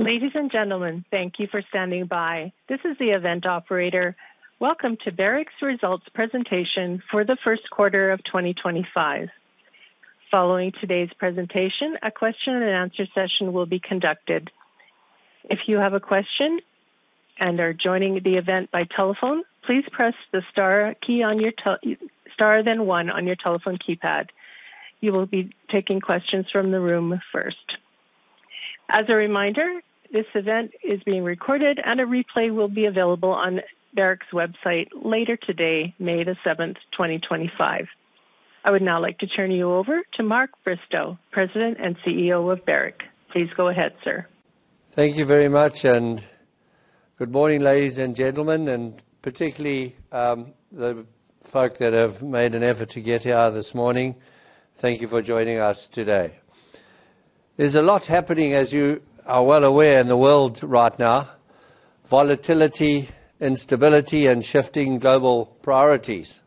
Ladies and gentlemen, thank you for standing by. This is the event operator. Welcome to Barrick's results presentation for the first quarter of 2025. Following today's presentation, a question-and-answer session will be conducted. If you have a question and are joining the event by telephone, please press the star key, star then one on your telephone keypad. You will be taking questions from the room first. As a reminder, this event is being recorded, and a replay will be available on Barrick's website later today, May the 7th, 2025. I would now like to turn you over to Mark Bristow, President and CEO of Barrick. Please go ahead, sir. Thank you very much, and good morning, ladies and gentlemen, and particularly the folk that have made an effort to get here this morning. Thank you for joining us today. There is a lot happening, as you are well aware, in the world right now: volatility, instability, and shifting global priorities.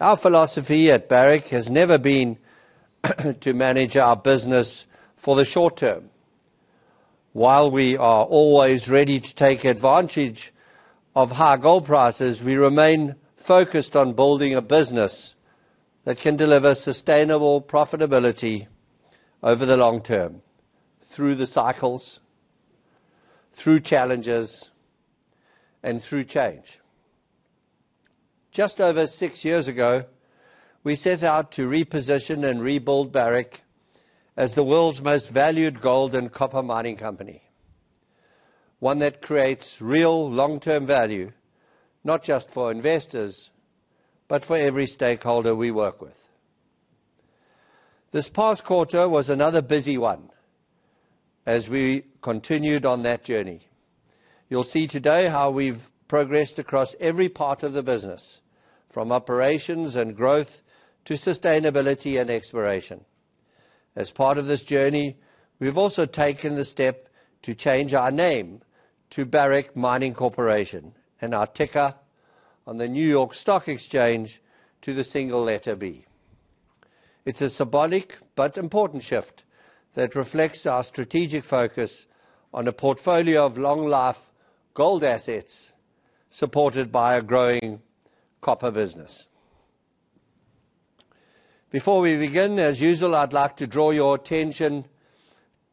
Our philosophy at Barrick has never been to manage our business for the short term. While we are always ready to take advantage of high gold prices, we remain focused on building a business that can deliver sustainable profitability over the long term through the cycles, through challenges, and through change. Just over six years ago, we set out to reposition and rebuild Barrick as the world's most valued gold and copper mining company, one that creates real long-term value, not just for investors, but for every stakeholder we work with. This past quarter was another busy one as we continued on that journey. You'll see today how we've progressed across every part of the business, from operations and growth to sustainability and exploration. As part of this journey, we've also taken the step to change our name to Barrick Mining Corporation, and our ticker on the New York Stock Exchange to the single letter B. It's a symbolic but important shift that reflects our strategic focus on a portfolio of long-life gold assets supported by a growing copper business. Before we begin, as usual, I'd like to draw your attention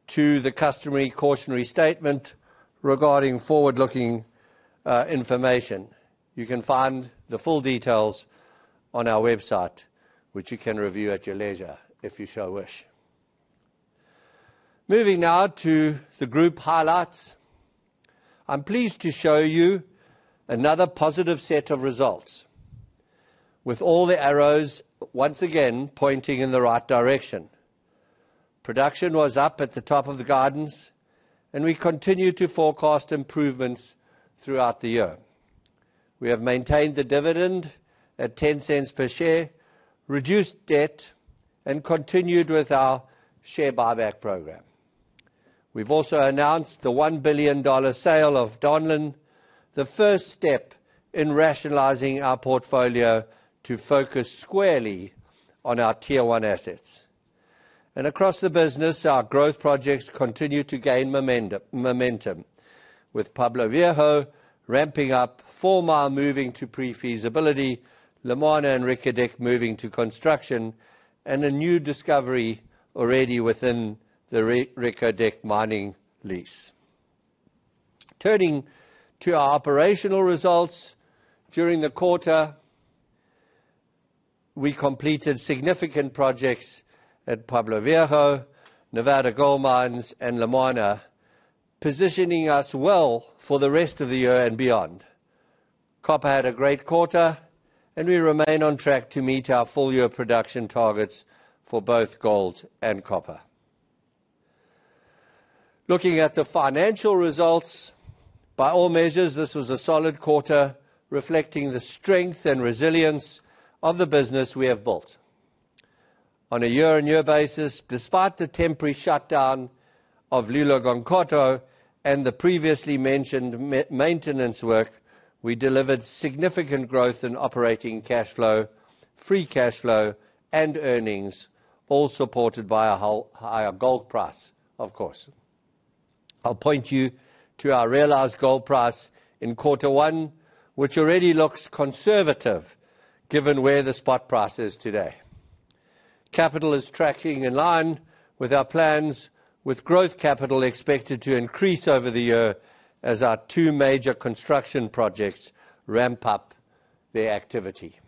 to the customary cautionary statement regarding forward-looking information. You can find the full details on our website, which you can review at your leisure if you so wish. Moving now to the group highlights, I'm pleased to show you another positive set of results, with all the arrows once again pointing in the right direction. Production was up at the top of the guidance, and we continue to forecast improvements throughout the year. We have maintained the dividend at 0.10 per share, reduced debt, and continued with our share buyback program. We've also announced the 1 billion dollar sale of Donlin, the first step in rationalizing our portfolio to focus squarely on our tier one assets. Across the business, our growth projects continue to gain momentum, with Pueblo Viejo ramping up, Fourmile moving to pre-feasibility, La Molina and Reko Diq moving to construction, and a new discovery already within the Reko Diq mining lease. Turning to our operational results during the quarter, we completed significant projects at Pueblo Viejo, Nevada Gold Mines, and Le Moyne, positioning us well for the rest of the year and beyond. Copper had a great quarter, and we remain on track to meet our full-year production targets for both gold and copper. Looking at the financial results, by all measures, this was a solid quarter, reflecting the strength and resilience of the business we have built. On a year-on-year basis, despite the temporary shutdown of Loulo-Gounkoto and the previously mentioned maintenance work, we delivered significant growth in operating cash flow, free cash flow, and earnings, all supported by a higher gold price, of course. I'll point you to our realized gold price in quarter one, which already looks conservative given where the spot price is today. Capital is tracking in line with our plans, with growth capital expected to increase over the year as our two major construction projects ramp up their activity.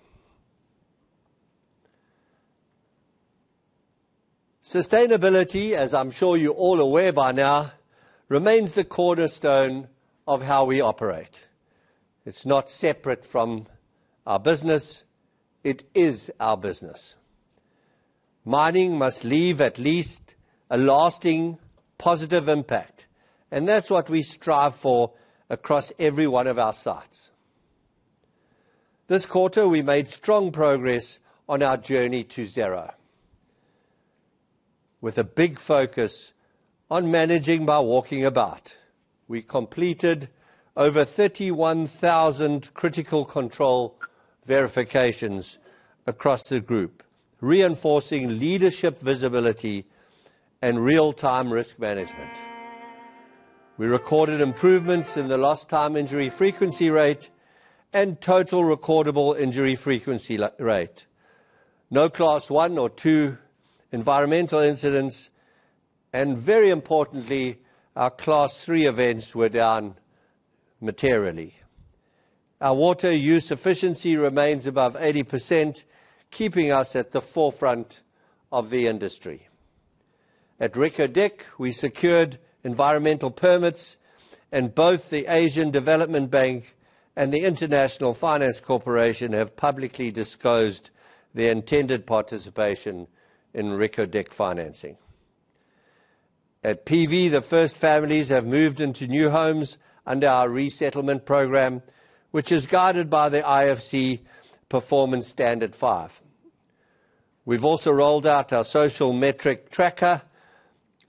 Sustainability, as I'm sure you're all aware by now, remains the cornerstone of how we operate. It's not separate from our business; it is our business. Mining must leave at least a lasting positive impact, and that's what we strive for across every one of our sites. This quarter, we made strong progress on our journey to zero, with a big focus on managing by walking about. We completed over 31,000 critical control verifications across the group, reinforcing leadership visibility and real-time risk management. We recorded improvements in the loss time injury frequency rate and total recordable injury frequency rate. No class one or two environmental incidents, and very importantly, our class three events were down materially. Our water use efficiency remains above 80%, keeping us at the forefront of the industry. At Reykjavik, we secured environmental permits, and both the Asian Development Bank and the International Finance Corporation have publicly disclosed their intended participation in Reykjavik financing. At PV, the first families have moved into new homes under our resettlement program, which is guided by the IFC Performance Standard Five. We've also rolled out our social metric tracker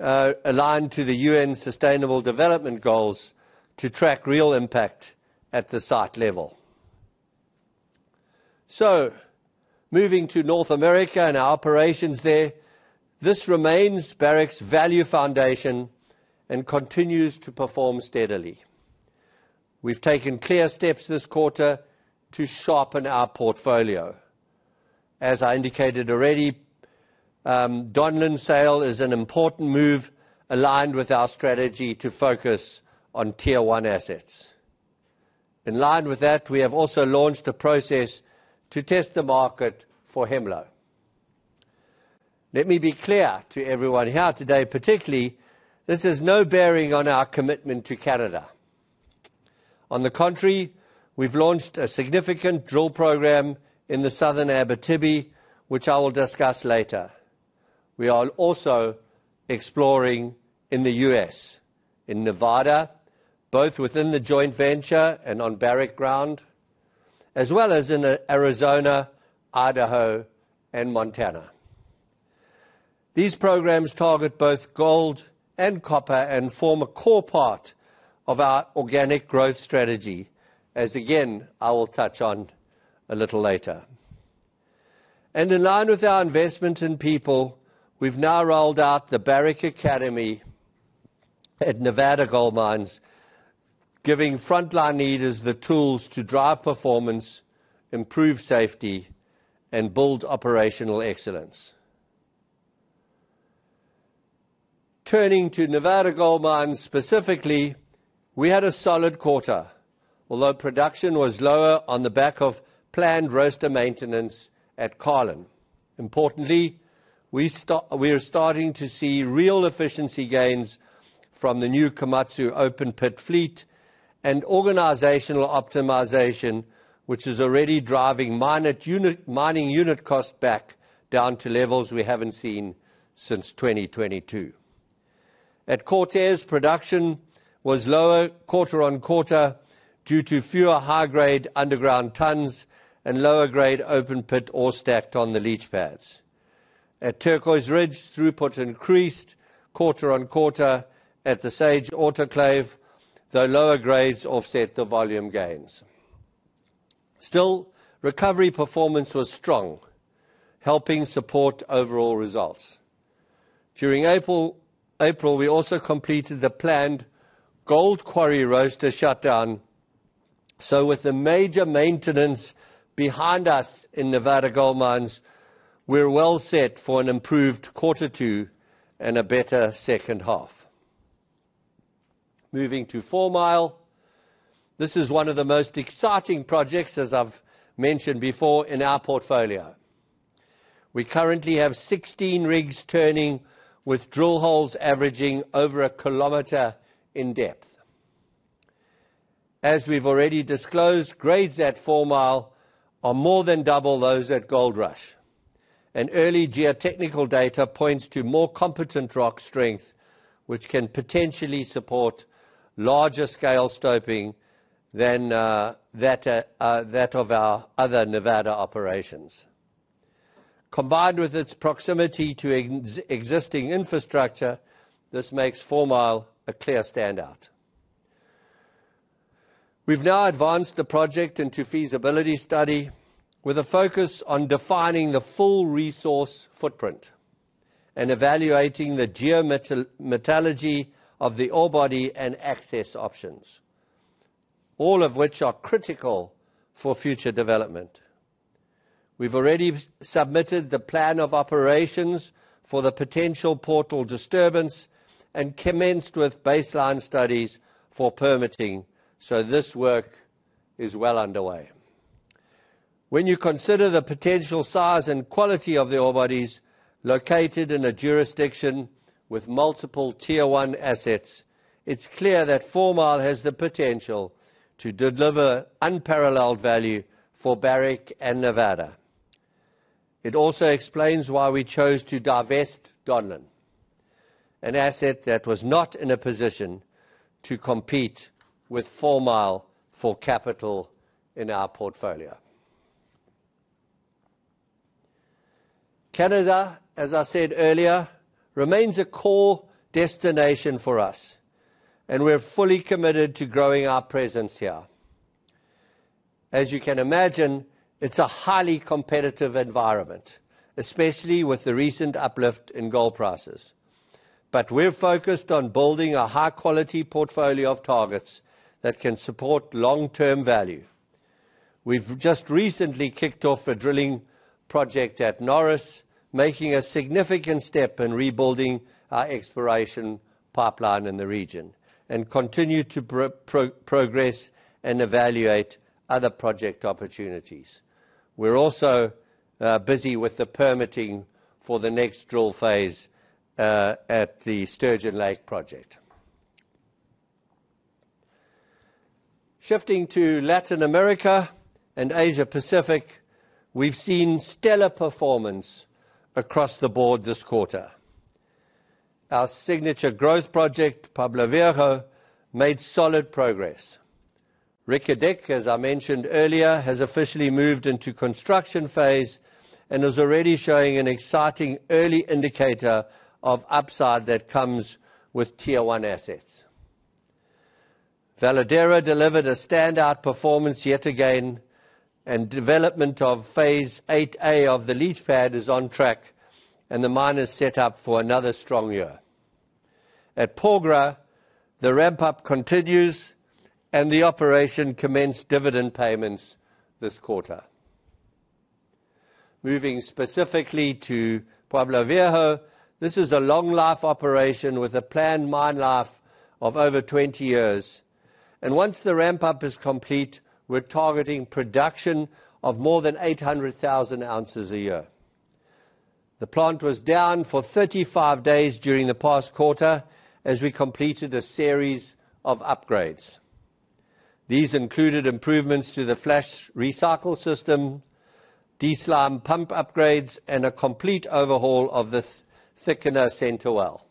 aligned to the UN Sustainable Development Goals to track real impact at the site level. Moving to North America and our operations there, this remains Barrick's value foundation and continues to perform steadily. We've taken clear steps this quarter to sharpen our portfolio. As I indicated already, Donlin sale is an important move aligned with our strategy to focus on tier one assets. In line with that, we have also launched a process to test the market for Hemlo. Let me be clear to everyone here today, particularly, this has no bearing on our commitment to Canada. On the contrary, we've launched a significant drill program in the southern Abitibi, which I will discuss later. We are also exploring in the U.S., in Nevada, both within the joint venture and on Barrick ground, as well as in Arizona, Idaho, and Montana. These programs target both gold and copper and form a core part of our organic growth strategy, as again, I will touch on a little later. In line with our investment in people, we've now rolled out the Barrick Academy at Nevada Gold Mines, giving frontline leaders the tools to drive performance, improve safety, and build operational excellence. Turning to Nevada Gold Mines specifically, we had a solid quarter, although production was lower on the back of planned roaster maintenance at Carlin. Importantly, we are starting to see real efficiency gains from the new Komatsu open pit fleet and organizational optimization, which is already driving mining unit costs back down to levels we have not seen since 2022. At Cortez, production was lower quarter on quarter due to fewer high-grade underground tons and lower-grade open pit ore stacked on the leach pads. At Turquoise Ridge, throughput increased quarter on quarter at the Sage Autoclave, though lower grades offset the volume gains. Still, recovery performance was strong, helping support overall results. During April, we also completed the planned Gold Quarry roaster shutdown. With the major maintenance behind us in Nevada Gold Mines, we are well set for an improved quarter two and a better second half. Moving to Fourmile, this is one of the most exciting projects, as I've mentioned before, in our portfolio. We currently have 16 rigs turning with drill holes averaging over 1 kilometer in depth. As we've already disclosed, grades at Fourmile are more than double those at Goldrush, and early geotechnical data points to more competent rock strength, which can potentially support larger scale stoping than that of our other Nevada operations. Combined with its proximity to existing infrastructure, this makes Fourmile a clear standout. We've now advanced the project into feasibility study with a focus on defining the full resource footprint and evaluating the geometrical metallurgy of the ore body and access options, all of which are critical for future development. We've already submitted the plan of operations for the potential portal disturbance and commenced with baseline studies for permitting, so this work is well underway. When you consider the potential size and quality of the ore bodies located in a jurisdiction with multiple Tier One assets, it's clear that Fourmile has the potential to deliver unparalleled value for Barrick and Nevada. It also explains why we chose to divest Donlin, an asset that was not in a position to compete with Fourmile for capital in our portfolio. Canada, as I said earlier, remains a core destination for us, and we're fully committed to growing our presence here. As you can imagine, it's a highly competitive environment, especially with the recent uplift in gold prices. We are focused on building a high-quality portfolio of targets that can support long-term value. We've just recently kicked off a drilling project at Norris, making a significant step in rebuilding our exploration pipeline in the region and continue to progress and evaluate other project opportunities. We're also busy with the permitting for the next drill phase at the Sturgeon Lake project. Shifting to Latin America and Asia Pacific, we've seen stellar performance across the board this quarter. Our signature growth project, Pueblo Viejo, made solid progress. Reykjavik, as I mentioned earlier, has officially moved into construction phase and is already showing an exciting early indicator of upside that comes with tier one assets. Veladero delivered a standout performance yet again, and development of phase 8a of the leach pad is on track, and the mine is set up for another strong year. At Porgera, the ramp-up continues, and the operation commenced dividend payments this quarter. Moving specifically to Pueblo Viejo, this is a long-life operation with a planned mine life of over 20 years. Once the ramp-up is complete, we're targeting production of more than 800,000 ounces a year. The plant was down for 35 days during the past quarter as we completed a series of upgrades. These included improvements to the flash recycle system, DSLAM pump upgrades, and a complete overhaul of the thickener center well.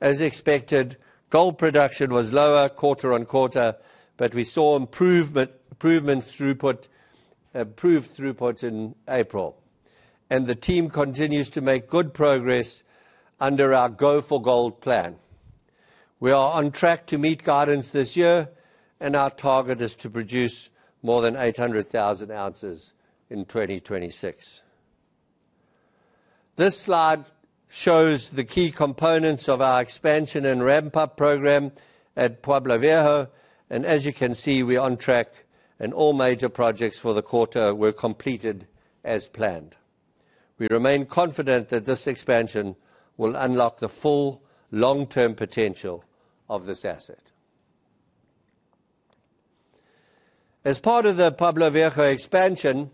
As expected, gold production was lower quarter on quarter, but we saw improvement in throughput in April. The team continues to make good progress under our Go for Gold plan. We are on track to meet guidance this year, and our target is to produce more than 800,000 ounces in 2026. This slide shows the key components of our expansion and ramp-up program at Pueblo Viejo. As you can see, we are on track, and all major projects for the quarter were completed as planned. We remain confident that this expansion will unlock the full long-term potential of this asset. As part of the Pueblo Viejo expansion,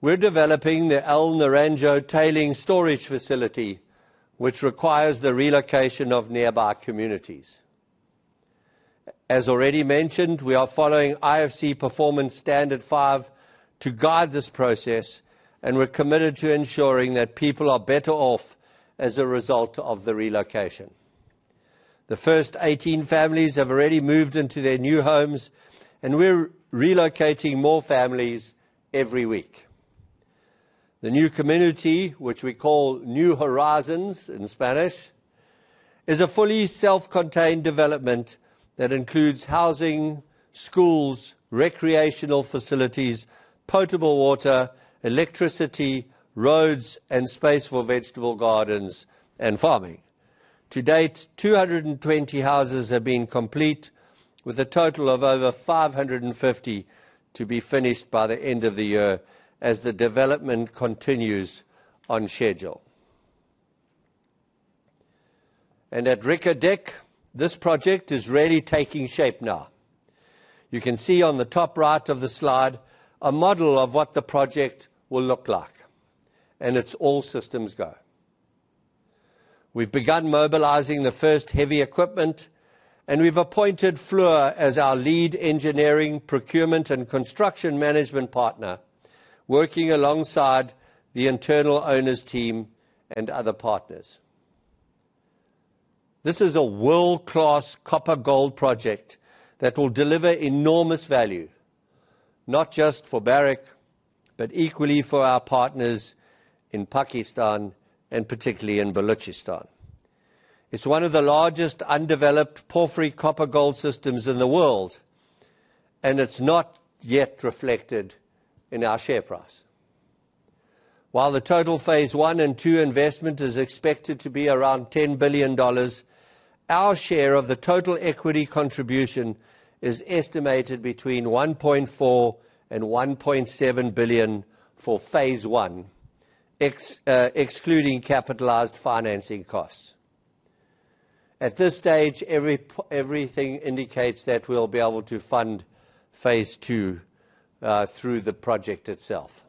we're developing the El Naranjo tailing storage facility, which requires the relocation of nearby communities. As already mentioned, we are following IFC Performance Standard Five to guide this process, and we're committed to ensuring that people are better off as a result of the relocation. The first 18 families have already moved into their new homes, and we're relocating more families every week. The new community, which we call New Horizons in Spanish, is a fully self-contained development that includes housing, schools, recreational facilities, potable water, electricity, roads, and space for vegetable gardens and farming. To date, 220 houses have been complete, with a total of over 550 to be finished by the end of the year as the development continues on schedule. At Reykjavik, this project is really taking shape now. You can see on the top right of the slide a model of what the project will look like, and it's all systems go. We've begun mobilizing the first heavy equipment, and we've appointed Fluor as our lead engineering, procurement, and construction management partner, working alongside the internal owners team and other partners. This is a world-class copper gold project that will deliver enormous value, not just for Barrick, but equally for our partners in Pakistan and particularly in Balochistan. It's one of the largest undeveloped porphyry copper gold systems in the world, and it's not yet reflected in our share price. While the total phase I and II investment is expected to be around 10 billion dollars, our share of the total equity contribution is estimated between 1.4 and 1.7 billion for phase I, excluding capitalized financing costs. At this stage, everything indicates that we'll be able to fund phase II through the project itself.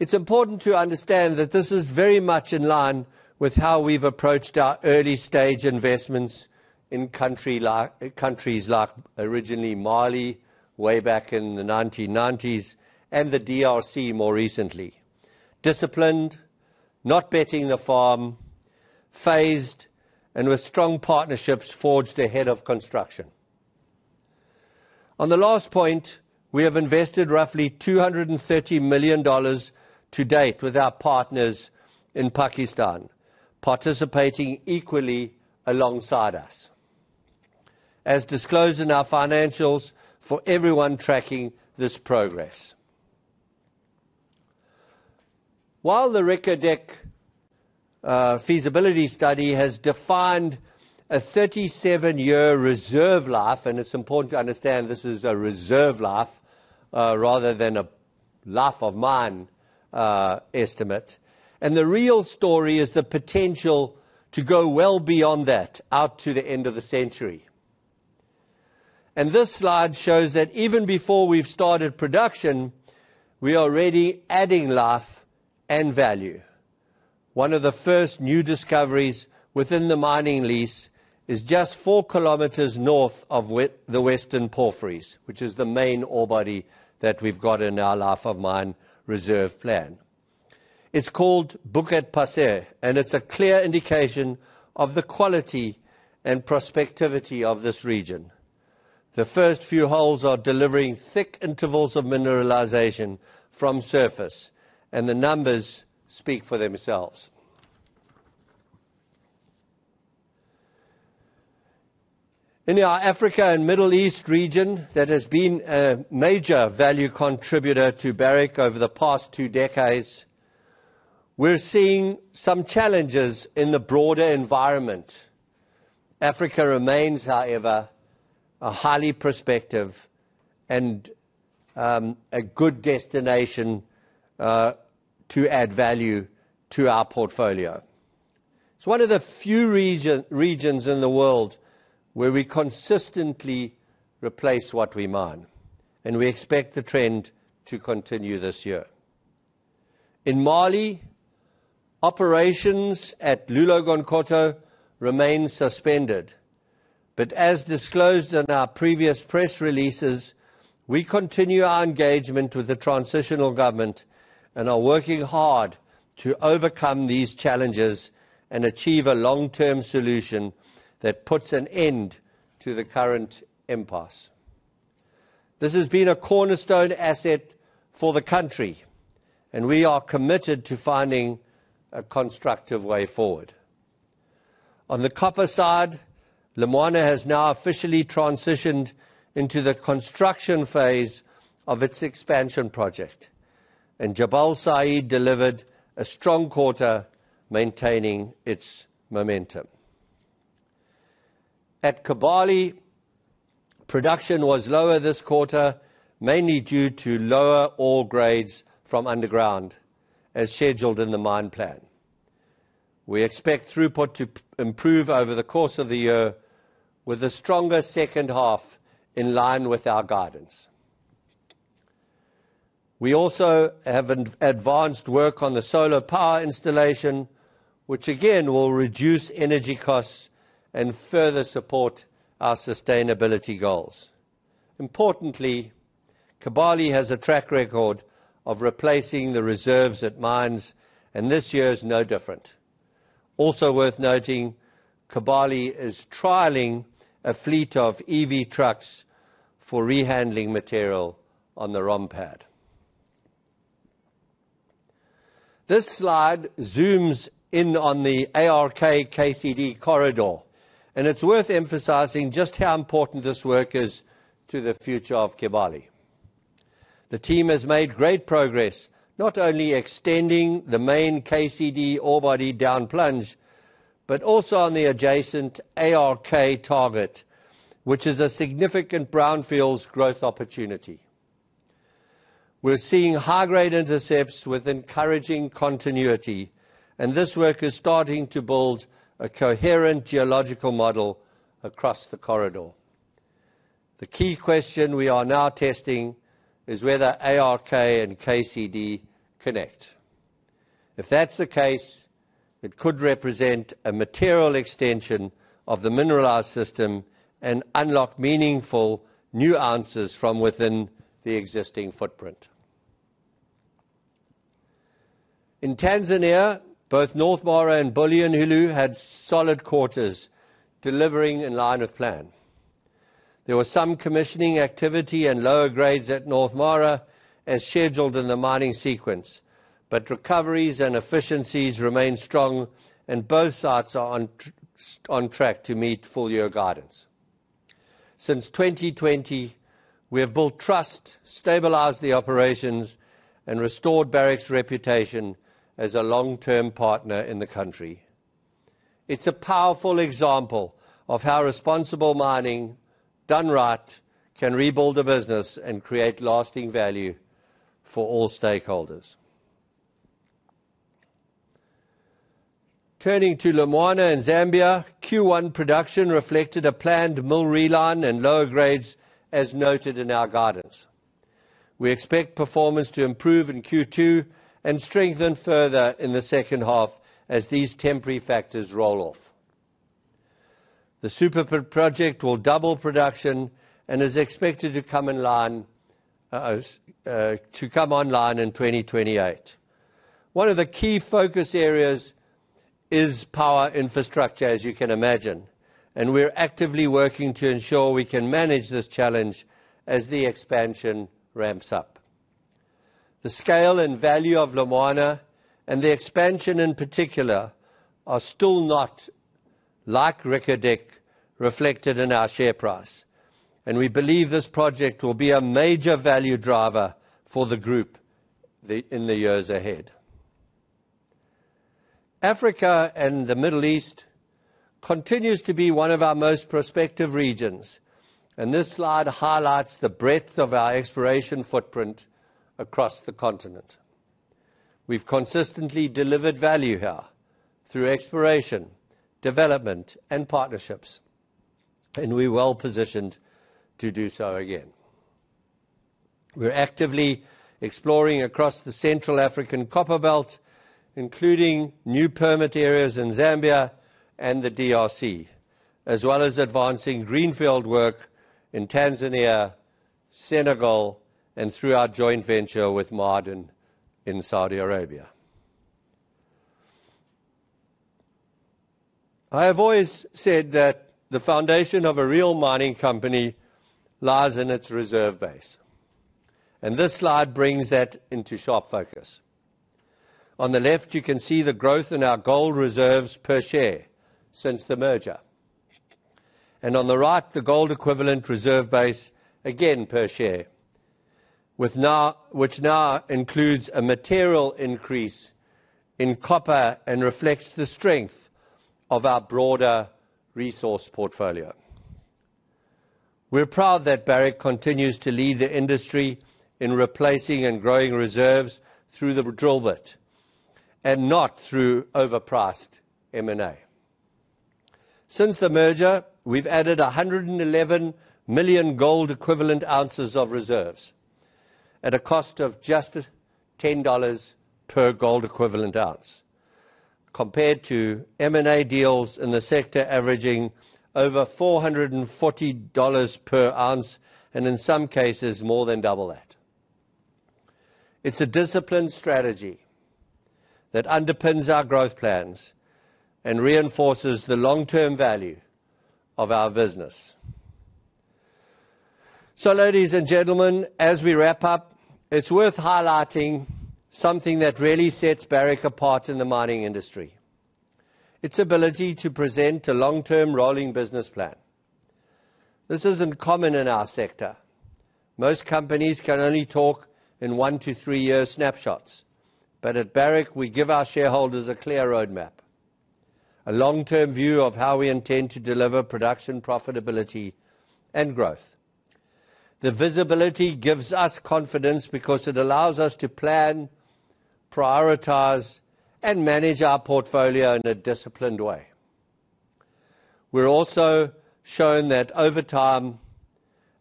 It's important to understand that this is very much in line with how we've approached our early stage investments in countries like originally Mali, way back in the 1990s, and the DRC more recently. Disciplined, not betting the farm, phased, and with strong partnerships forged ahead of construction. On the last point, we have invested roughly 230 million dollars to date with our partners in Pakistan, participating equally alongside us, as disclosed in our financials for everyone tracking this progress. While the Reykjavik feasibility study has defined a 37-year reserve life, and it's important to understand this is a reserve life rather than a life of mine estimate, and the real story is the potential to go well beyond that out to the end of the century. This slide shows that even before we've started production, we are already adding life and value. One of the first new discoveries within the mining lease is just 4 km north of the western porphyries, which is the main ore body that we've got in our life of mine reserve plan. It's called Bukit Pasir, and it's a clear indication of the quality and prospectivity of this region. The first few holes are delivering thick intervals of mineralization from surface, and the numbers speak for themselves. In our Africa and Middle East region that has been a major value contributor to Barrick over the past two decades, we're seeing some challenges in the broader environment. Africa remains, however, a highly prospective and a good destination to add value to our portfolio. It's one of the few regions in the world where we consistently replace what we mine, and we expect the trend to continue this year. In Mali, operations at Loulo-Gounkoto remain suspended, but as disclosed in our previous press releases, we continue our engagement with the transitional government and are working hard to overcome these challenges and achieve a long-term solution that puts an end to the current impasse. This has been a cornerstone asset for the country, and we are committed to finding a constructive way forward. On the copper side, Lumwana has now officially transitioned into the construction phase of its expansion project, and Jabal Sayid delivered a strong quarter, maintaining its momentum. At Kibali, production was lower this quarter, mainly due to lower ore grades from underground, as scheduled in the mine plan. We expect throughput to improve over the course of the year, with a stronger second half in line with our guidance. We also have advanced work on the solar power installation, which again will reduce energy costs and further support our sustainability goals. Importantly, Kibali has a track record of replacing the reserves at mines, and this year is no different. Also worth noting, Kibali is trialing a fleet of EV trucks for rehandling material on the Rompad. This slide zooms in on the ARK-KCD corridor, and it is worth emphasizing just how important this work is to the future of Kibali. The team has made great progress not only extending the main KCD ore body down plunge, but also on the adjacent ARK target, which is a significant brownfields growth opportunity. We're seeing high-grade intercepts with encouraging continuity, and this work is starting to build a coherent geological model across the corridor. The key question we are now testing is whether ARK and KCD connect. If that's the case, it could represent a material extension of the mineralized system and unlock meaningful new answers from within the existing footprint. In Tanzania, both North Mara and Bulyanhulu had solid quarters, delivering in line with plan. There was some commissioning activity and lower grades at North Mara, as scheduled in the mining sequence, but recoveries and efficiencies remain strong, and both sites are on track to meet full year guidance. Since 2020, we have built trust, stabilized the operations, and restored Barrick's reputation as a long-term partner in the country. It's a powerful example of how responsible mining, done right, can rebuild a business and create lasting value for all stakeholders. Turning to Lumwana and Zambia, Q1 production reflected a planned mill reline and lower grades, as noted in our guidance. We expect performance to improve in Q2 and strengthen further in the second half as these temporary factors roll off. The super project will double production and is expected to come online in 2028. One of the key focus areas is power infrastructure, as you can imagine, and we're actively working to ensure we can manage this challenge as the expansion ramps up. The scale and value of Lumwana and the expansion in particular are still not, like Reko Diq, reflected in our share price, and we believe this project will be a major value driver for the group in the years ahead. Africa and the Middle East continues to be one of our most prospective regions, and this slide highlights the breadth of our exploration footprint across the continent. We've consistently delivered value here through exploration, development, and partnerships, and we're well positioned to do so again. We're actively exploring across the Central African Copper Belt, including new permit areas in Zambia and the DRC, as well as advancing greenfield work in Tanzania, Senegal, and through our joint venture with Marden in Saudi Arabia. I have always said that the foundation of a real mining company lies in its reserve base, and this slide brings that into sharp focus. On the left, you can see the growth in our gold reserves per share since the merger, and on the right, the gold equivalent reserve base, again per share, which now includes a material increase in copper and reflects the strength of our broader resource portfolio. We're proud that Barrick continues to lead the industry in replacing and growing reserves through the drill bit and not through overpriced M&A. Since the merger, we've added 111 million gold equivalent ounces of reserves at a cost of just 10 dollars per gold equivalent ounce, compared to M&A deals in the sector averaging over 440 dollars per ounce and in some cases more than double that. It's a disciplined strategy that underpins our growth plans and reinforces the long-term value of our business. Ladies and gentlemen, as we wrap up, it's worth highlighting something that really sets Barrick apart in the mining industry: its ability to present a long-term rolling business plan. This isn't common in our sector. Most companies can only talk in one to three-year snapshots, but at Barrick, we give our shareholders a clear roadmap, a long-term view of how we intend to deliver production, profitability, and growth. The visibility gives us confidence because it allows us to plan, prioritize, and manage our portfolio in a disciplined way. We're also shown that over time,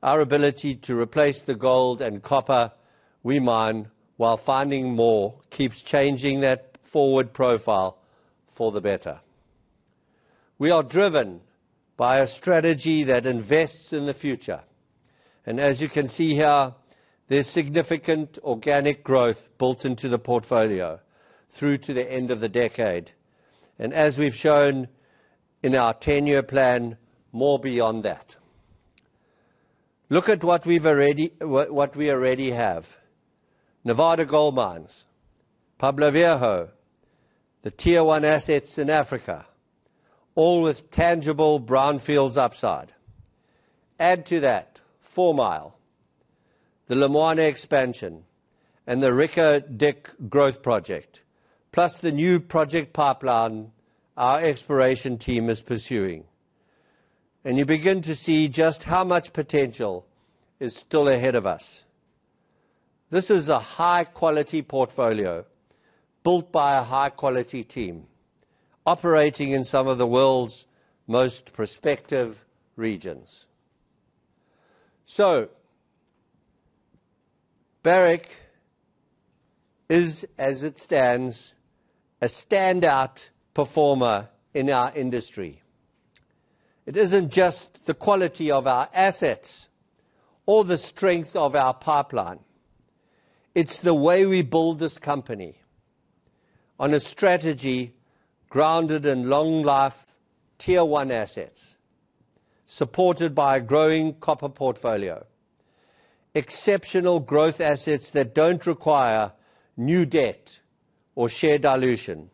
our ability to replace the gold and copper we mine while finding more keeps changing that forward profile for the better. We are driven by a strategy that invests in the future, and as you can see here, there's significant organic growth built into the portfolio through to the end of the decade, and as we've shown in our ten-year plan, more beyond that. Look at what we already have. Nevada Gold Mines, Pueblo Viejo, the tier one assets in Africa, all with tangible brownfields upside. Add to that Fourmile, the Lumwana expansion, and the Reko Diq growth project, plus the new project pipeline our exploration team is pursuing, and you begin to see just how much potential is still ahead of us. This is a high-quality portfolio built by a high-quality team operating in some of the world's most prospective regions. Barrick is, as it stands, a standout performer in our industry. It isn't just the quality of our assets or the strength of our pipeline. It is the way we build this company on a strategy grounded in long-life, tier one assets supported by a growing copper portfolio, exceptional growth assets that do not require new debt or share dilution,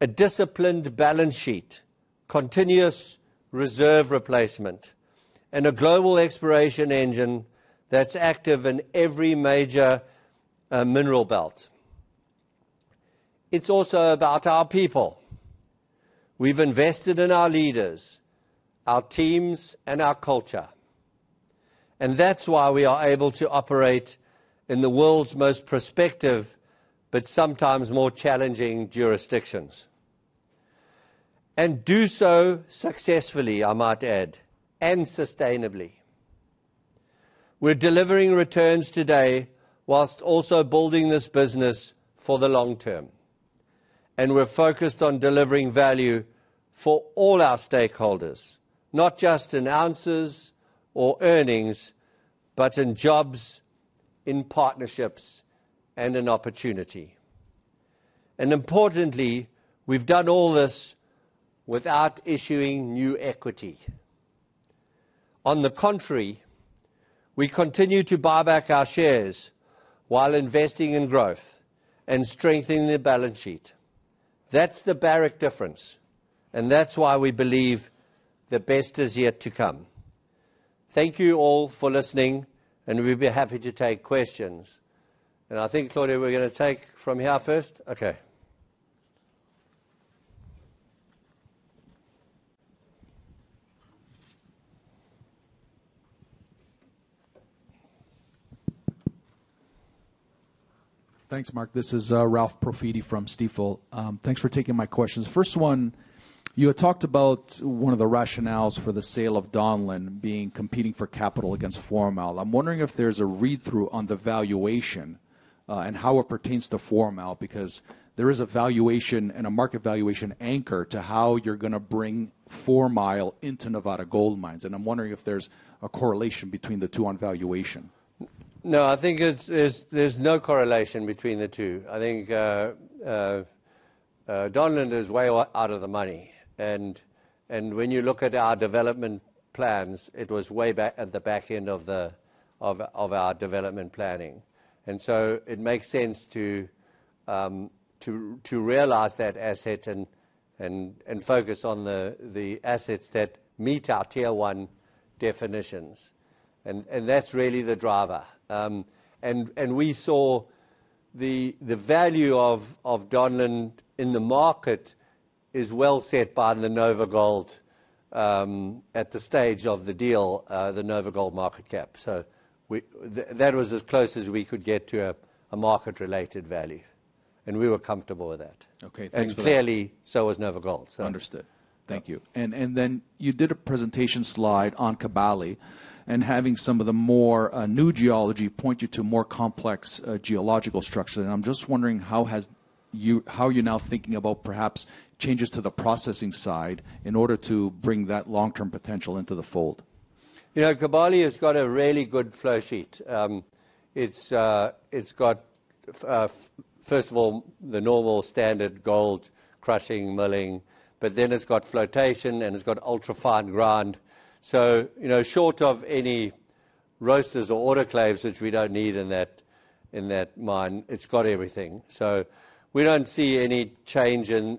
a disciplined balance sheet, continuous reserve replacement, and a global exploration engine that is active in every major mineral belt. It is also about our people. We have invested in our leaders, our teams, and our culture, and that is why we are able to operate in the world's most prospective, but sometimes more challenging jurisdictions, and do so successfully, I might add, and sustainably. We're delivering returns today whilst also building this business for the long term, and we're focused on delivering value for all our stakeholders, not just in ounces or earnings, but in jobs, in partnerships, and in opportunity. Importantly, we've done all this without issuing new equity. On the contrary, we continue to buy back our shares while investing in growth and strengthening the balance sheet. That's the Barrick difference, and that's why we believe the best is yet to come. Thank you all for listening, and we'd be happy to take questions. I think, Claudia, we're going to take from here first. Okay. Thanks, Mark. This is Ralph Profiti from Stifel. Thanks for taking my questions. First one, you had talked about one of the rationales for the sale of Donlin being competing for capital against Fourmile. I'm wondering if there's a read-through on the valuation and how it pertains to Fourmile because there is a valuation and a market valuation anchor to how you're going to bring Fourmile into Nevada Gold Mines, and I'm wondering if there's a correlation between the two on valuation. No, I think there's no correlation between the two. I think Donlin is way out of the money, and when you look at our development plans, it was way back at the back end of our development planning, and so it makes sense to realize that asset and focus on the assets that meet our tier one definitions, and that's really the driver. We saw the value of Donlin in the market is well set by the NovaGold at the stage of the deal, the NovaGold market cap, so that was as close as we could get to a market-related value, and we were comfortable with that. Okay. Thanks, Mark. Clearly, so was NovaGold, so. Understood. Thank you. You did a presentation slide on Kibali and having some of the more new geology point you to more complex geological structures, and I am just wondering how you are now thinking about perhaps changes to the processing side in order to bring that long-term potential into the fold. Yeah, Kibali has got a really good flow sheet. It's got, first of all, the normal standard gold crushing, milling, but then it's got flotation and it's got ultra-fine grind, so short of any roasters or autoclaves, which we don't need in that mine, it's got everything. We don't see any change in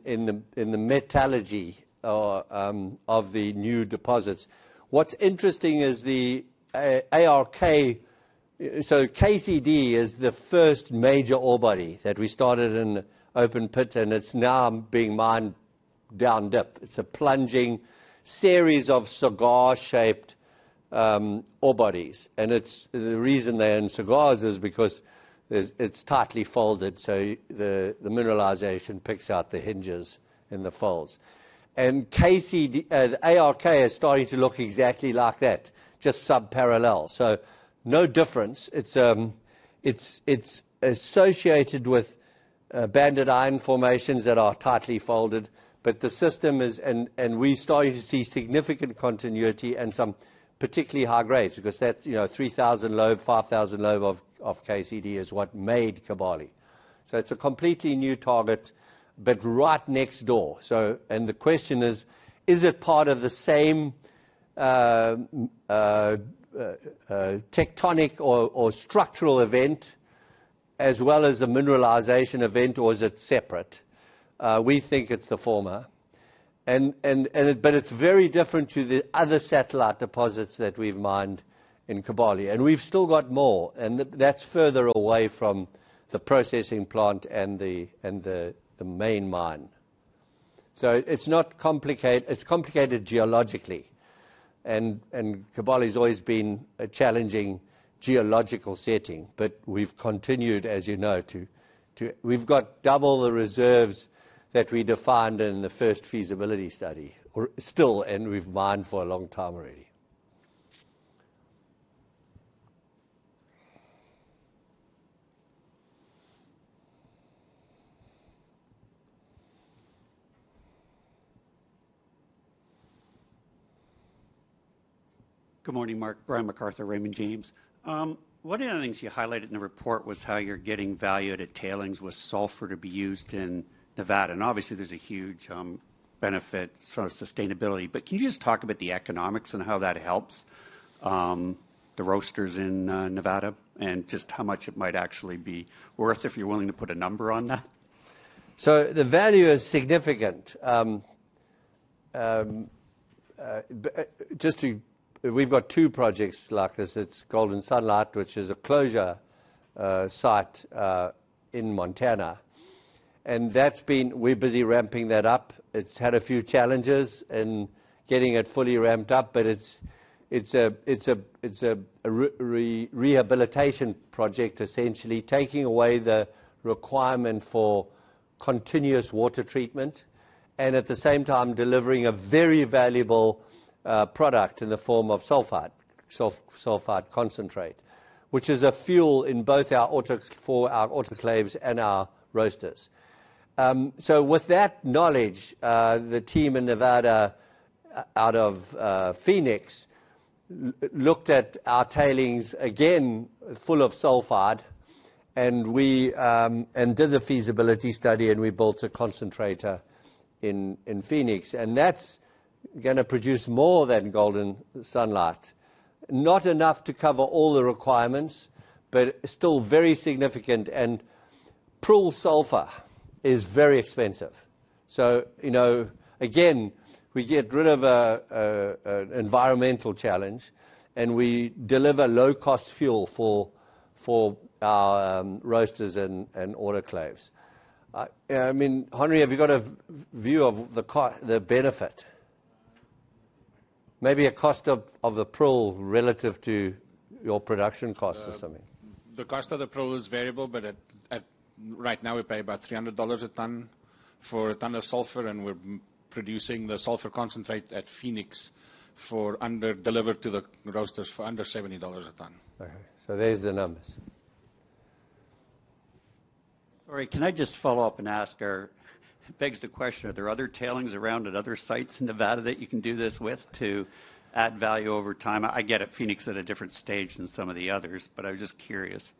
the metallurgy of the new deposits. What's interesting is the ARK, so KCD is the first major ore body that we started in open pit, and it's now being mined down dip. It's a plunging series of cigar-shaped ore bodies, and the reason they're in cigars is because it's tightly folded, so the mineralization picks out the hinges in the folds. ARK is starting to look exactly like that, just sub-parallel, so no difference. It's associated with banded iron formations that are tightly folded, but the system is, and we started to see significant continuity and some particularly high grades because that 3,000 load, 5,000 load of KCD is what made Kibali. It is a completely new target, but right next door, and the question is, is it part of the same tectonic or structural event as well as a mineralization event, or is it separate? We think it's the former, but it's very different to the other satellite deposits that we've mined in Kibali, and we've still got more, and that's further away from the processing plant and the main mine. It is not complicated. It's complicated geologically, and Kibali's always been a challenging geological setting, but we've continued, as you know, to—we've got double the reserves that we defined in the first feasibility study still, and we've mined for a long time already. Good morning, Mark. Brian McArthur, Raymond James. One of the things you highlighted in the report was how you're getting value at tailings with sulfur to be used in Nevada, and obviously, there's a huge benefit from sustainability, but can you just talk about the economics and how that helps the roasters in Nevada and just how much it might actually be worth if you're willing to put a number on that? The value is significant. Just to—we've got two projects like this. It's Gold and Sunlight, which is a closure site in Montana, and that's been—we're busy ramping that up. It's had a few challenges in getting it fully ramped up, but it's a rehabilitation project, essentially taking away the requirement for continuous water treatment and at the same time delivering a very valuable product in the form of sulfide concentrate, which is a fuel for our autoclaves and our roasters. With that knowledge, the team in Nevada out of Phoenix looked at our tailings again full of sulfide, and we did the feasibility study, and we built a concentrator in Phoenix, and that's going to produce more than Gold and Sunlight. Not enough to cover all the requirements, but still very significant, and pool sulfur is very expensive. We get rid of an environmental challenge, and we deliver low-cost fuel for our roasters and autoclaves. I mean, Henri, have you got a view of the benefit? Maybe a cost of the pool relative to your production cost or something. The cost of the pool is variable, but right now we pay about 300 dollars a ton for a ton of sulfur, and we're producing the sulfur concentrate at Phoenix for under-delivered to the roasters for under 70 dollars a ton. Okay. So there's the numbers. Sorry, can I just follow up and ask or begs the question, are there other tailings around at other sites in Nevada that you can do this with to add value over time? I get it, Phoenix at a different stage than some of the others, but I was just curious.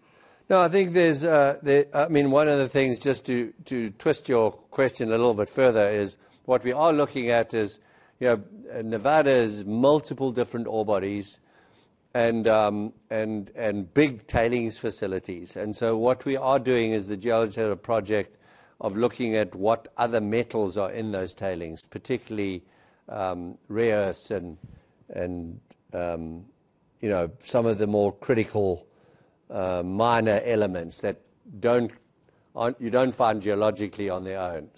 No, I think there's—I mean, one of the things just to twist your question a little bit further is what we are looking at is Nevada's multiple different ore bodies and big tailings facilities, and what we are doing is the geology project of looking at what other metals are in those tailings, particularly rare earths and some of the more critical minor elements that you do not find geologically on their own.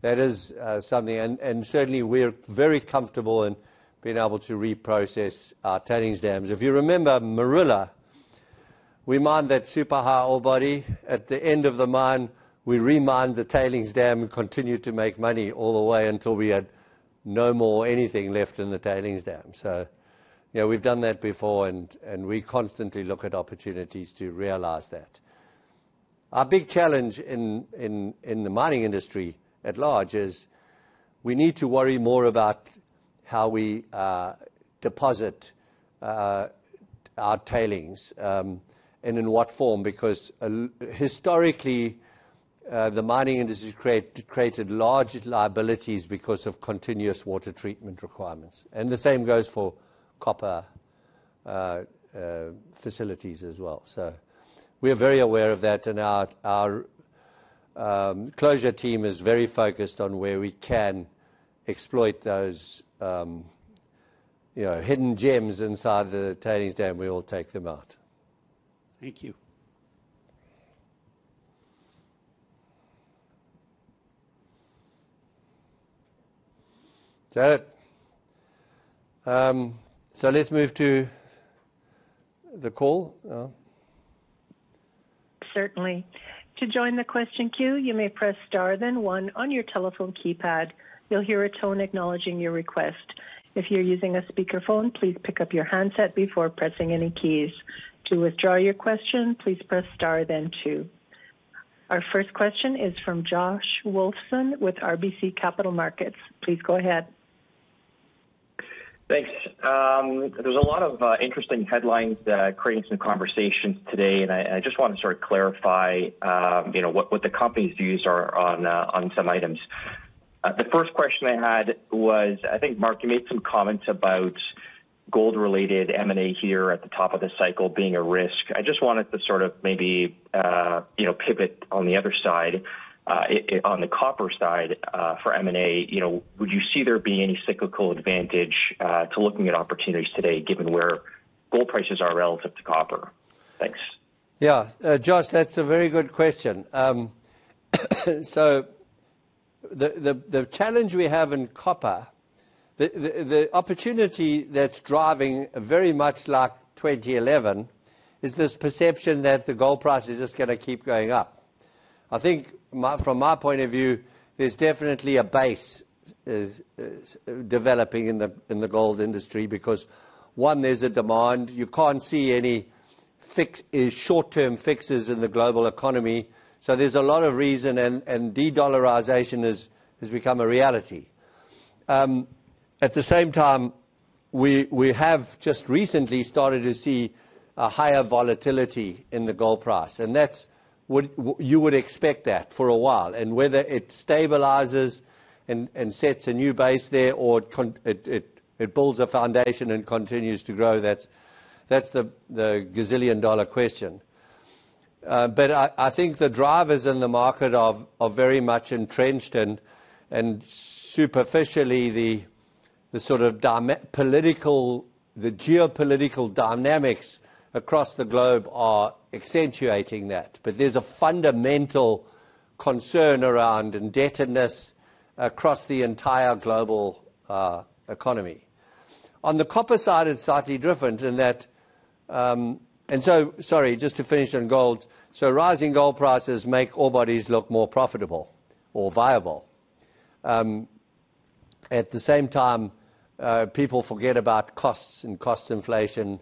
That is something, and certainly we are very comfortable in being able to reprocess our tailings dams. If you remember Marilla, we mined that super high ore body at the end of the mine. We remine the tailings dam and continue to make money all the way until we had no more anything left in the tailings dam. We have done that before, and we constantly look at opportunities to realize that. Our big challenge in the mining industry at large is we need to worry more about how we deposit our tailings and in what form because historically the mining industry created large liabilities because of continuous water treatment requirements, and the same goes for copper facilities as well. So we're very aware of that, and our closure team is very focused on where we can exploit those hidden gems inside the tailings dam. We will take them out. Thank you. Is that it? Let's move to the call. Certainly. To join the question queue, you may press star then one on your telephone keypad. You'll hear a tone acknowledging your request. If you're using a speakerphone, please pick up your handset before pressing any keys. To withdraw your question, please press star then two. Our first question is from Josh Wolfson with RBC Capital Markets. Please go ahead. Thanks.There's a lot of interesting headlines creating some conversations today, and I just want to sort of clarify what the company's views are on some items. The first question I had was, I think, Mark, you made some comments about gold-related M&A here at the top of the cycle being a risk. I just wanted to sort of maybe pivot on the other side. On the copper side for M&A, would you see there being any cyclical advantage to looking at opportunities today given where gold prices are relative to copper? Thanks. Yeah. Josh, that's a very good question. The challenge we have in copper, the opportunity that's driving very much like 2011, is this perception that the gold price is just going to keep going up. I think from my point of view, there's definitely a base developing in the gold industry because, one, there's a demand. You can't see any short-term fixes in the global economy, so there's a lot of reason, and de-dollarization has become a reality. At the same time, we have just recently started to see a higher volatility in the gold price, and you would expect that for a while, and whether it stabilizes and sets a new base there or it builds a foundation and continues to grow, that's the gazillion-dollar question. I think the drivers in the market are very much entrenched, and superficially, the sort of geopolitical dynamics across the globe are accentuating that, but there's a fundamental concern around indebtedness across the entire global economy. On the copper side, it's slightly different in that, and so sorry, just to finish on gold, so rising gold prices make ore bodies look more profitable or viable. At the same time, people forget about costs and cost inflation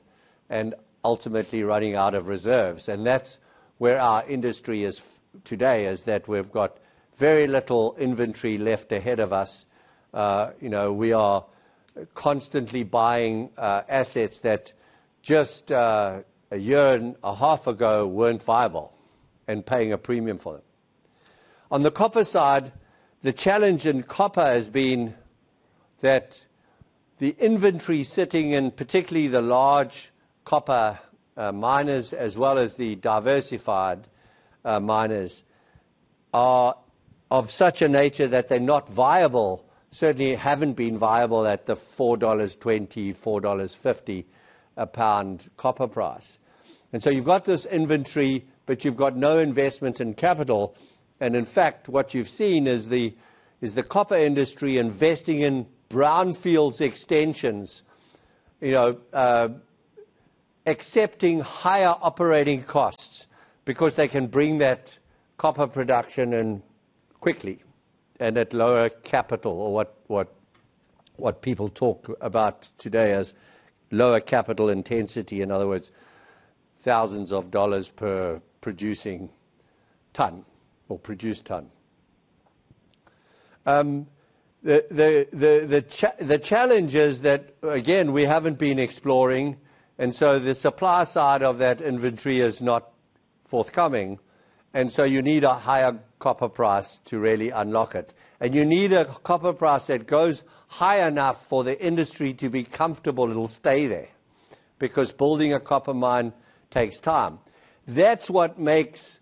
and ultimately running out of reserves, and that's where our industry is today, is that we've got very little inventory left ahead of us. We are constantly buying assets that just a year and a half ago were not viable and paying a premium for them. On the copper side, the challenge in copper has been that the inventory sitting in particularly the large copper miners as well as the diversified miners are of such a nature that they are not viable, certainly have not been viable at the CAD 4.20-$4.50 a pound copper price. You have this inventory, but you have no investments in capital, and in fact, what you have seen is the copper industry investing in brownfields extensions, accepting higher operating costs because they can bring that copper production in quickly and at lower capital, or what people talk about today as lower capital intensity. In other words, thousands of dollars per producing ton or produced ton. The challenge is that, again, we have not been exploring, and the supply side of that inventory is not forthcoming, and you need a higher copper price to really unlock it, and you need a copper price that goes high enough for the industry to be comfortable it will stay there because building a copper mine takes time. That's what makes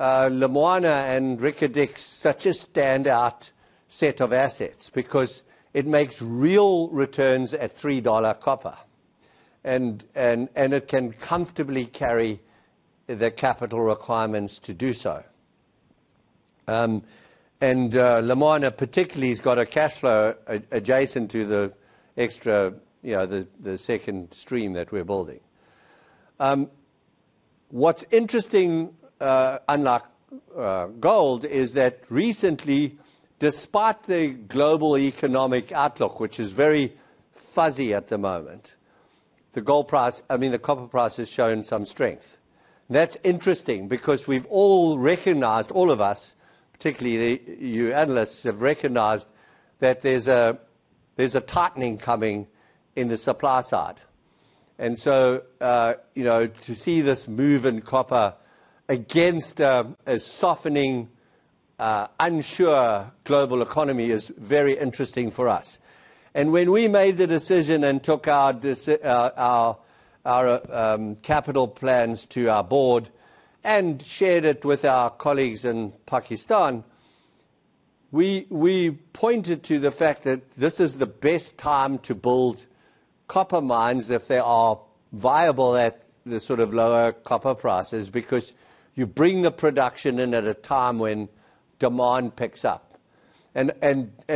Le Moina and Reko Diq such a standout set of assets because it makes real returns at 3 dollar copper, and it can comfortably carry the capital requirements to do so. Le Moina particularly has got a cash flow adjacent to the second stream that we're building. What's interesting unlike gold is that recently, despite the global economic outlook, which is very fuzzy at the moment, the copper price has shown some strength. That's interesting because we've all recognized, all of us, particularly you analysts, have recognized that there's a tightening coming in the supply side, and to see this move in copper against a softening, unsure global economy is very interesting for us. When we made the decision and took our capital plans to our board and shared it with our colleagues in Pakistan, we pointed to the fact that this is the best time to build copper mines if they are viable at the sort of lower copper prices because you bring the production in at a time when demand picks up.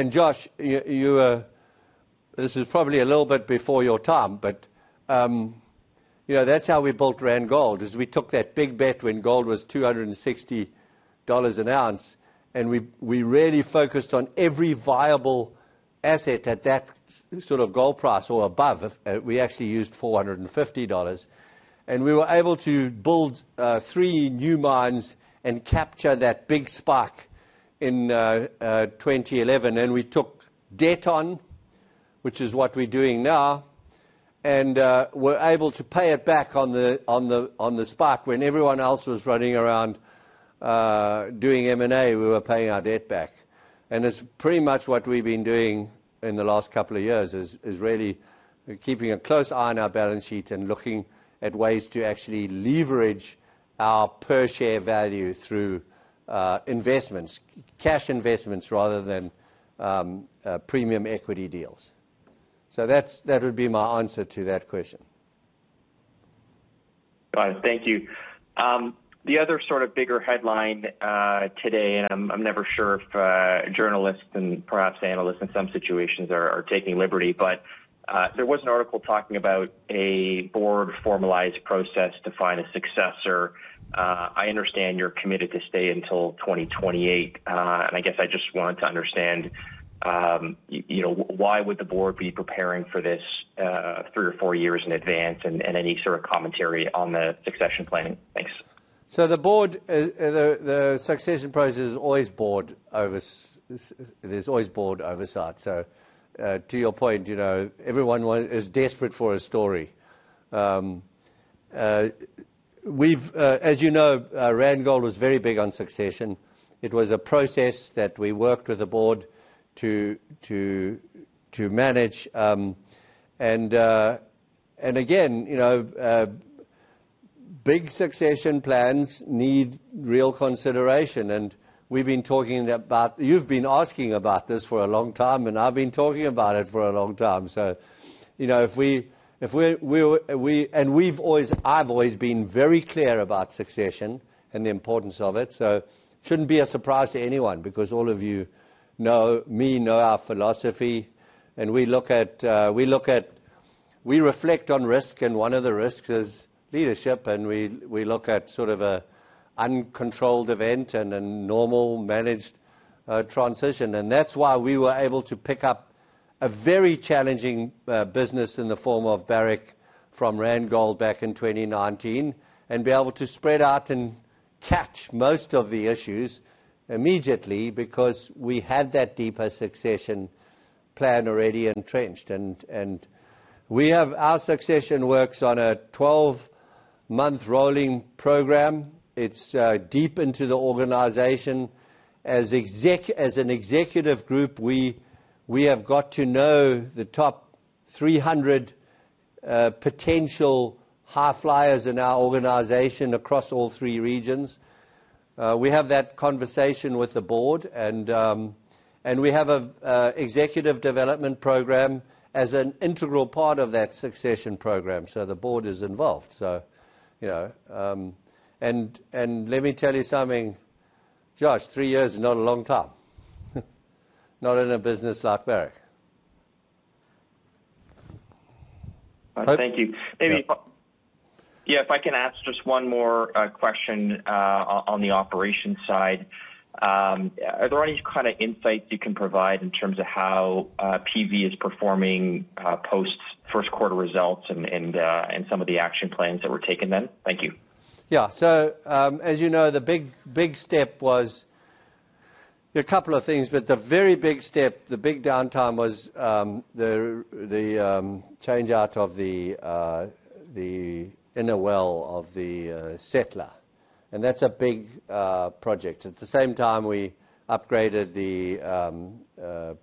Josh, this is probably a little bit before your time, but that's how we built Randgold, we took that big bet when gold was 260 dollars an ounce, and we really focused on every viable asset at that sort of gold price or above. We actually used 450 dollars, and we were able to build three new mines and capture that big spark in 2011, and we took Deton, which is what we're doing now, and we're able to pay it back on the spark. When everyone else was running around doing M&A, we were paying our debt back, and it's pretty much what we've been doing in the last couple of years is really keeping a close eye on our balance sheet and looking at ways to actually leverage our per-share value through investments, cash investments rather than premium equity deals. That would be my answer to that question. Got it. Thank you. The other sort of bigger headline today, and I'm never sure if journalists and perhaps analysts in some situations are taking liberty, but there was an article talking about a board formalized process to find a successor. I understand you're committed to stay until 2028, and I guess I just want to understand why would the board be preparing for this three or four years in advance and any sort of commentary on the succession planning? Thanks. The succession process is always board oversight. To your point, everyone is desperate for a story. As you know, Randgold was very big on succession. It was a process that we worked with the board to manage, and again, big succession plans need real consideration, and we've been talking about, you've been asking about this for a long time, and I've been talking about it for a long time. If we—and I've always been very clear about succession and the importance of it, so it shouldn't be a surprise to anyone because all of you know me, know our philosophy, and we look at—we reflect on risk, and one of the risks is leadership, and we look at sort of an uncontrolled event and a normal managed transition. That is why we were able to pick up a very challenging business in the form of Barrick from Randgold back in 2019 and be able to spread out and catch most of the issues immediately because we had that deeper succession plan already entrenched. Our succession works on a 12-month rolling program. It is deep into the organization. As an executive group, we have got to know the top 300 potential high flyers in our organization across all three regions. We have that conversation with the board, and we have an executive development program as an integral part of that succession program, so the board is involved. Let me tell you something, Josh, three years is not a long time, not in a business like Barrick. Thank you. Maybe if I can ask just one more question on the operations side, are there any kind of insights you can provide in terms of how PV is performing post first quarter results and some of the action plans that were taken then? Thank you. Yeah. As you know, the big step was a couple of things, but the very big step, the big downtime was the change out of the inner well of the settler, and that's a big project. At the same time, we upgraded the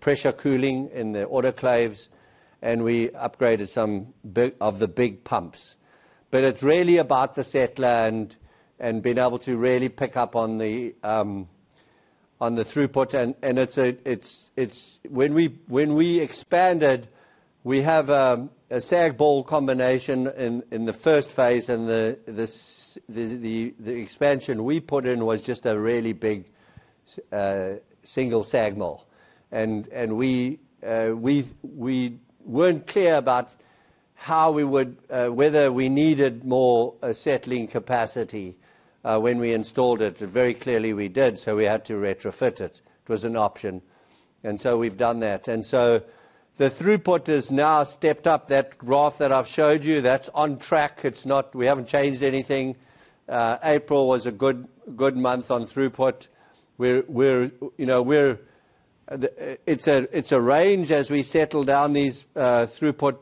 pressure cooling in the autoclaves, and we upgraded some of the big pumps. It is really about the settler and being able to really pick up on the throughput. When we expanded, we have a sag ball combination in the first phase, and the expansion we put in was just a really big single sag mill. We were not clear about whether we needed more settling capacity when we installed it. Very clearly, we did, so we had to retrofit it. It was an option, and we have done that. The throughput has now stepped up. That graph that I have showed you, that is on track. We have not changed anything. April was a good month on throughput. It is a range as we settle down these throughput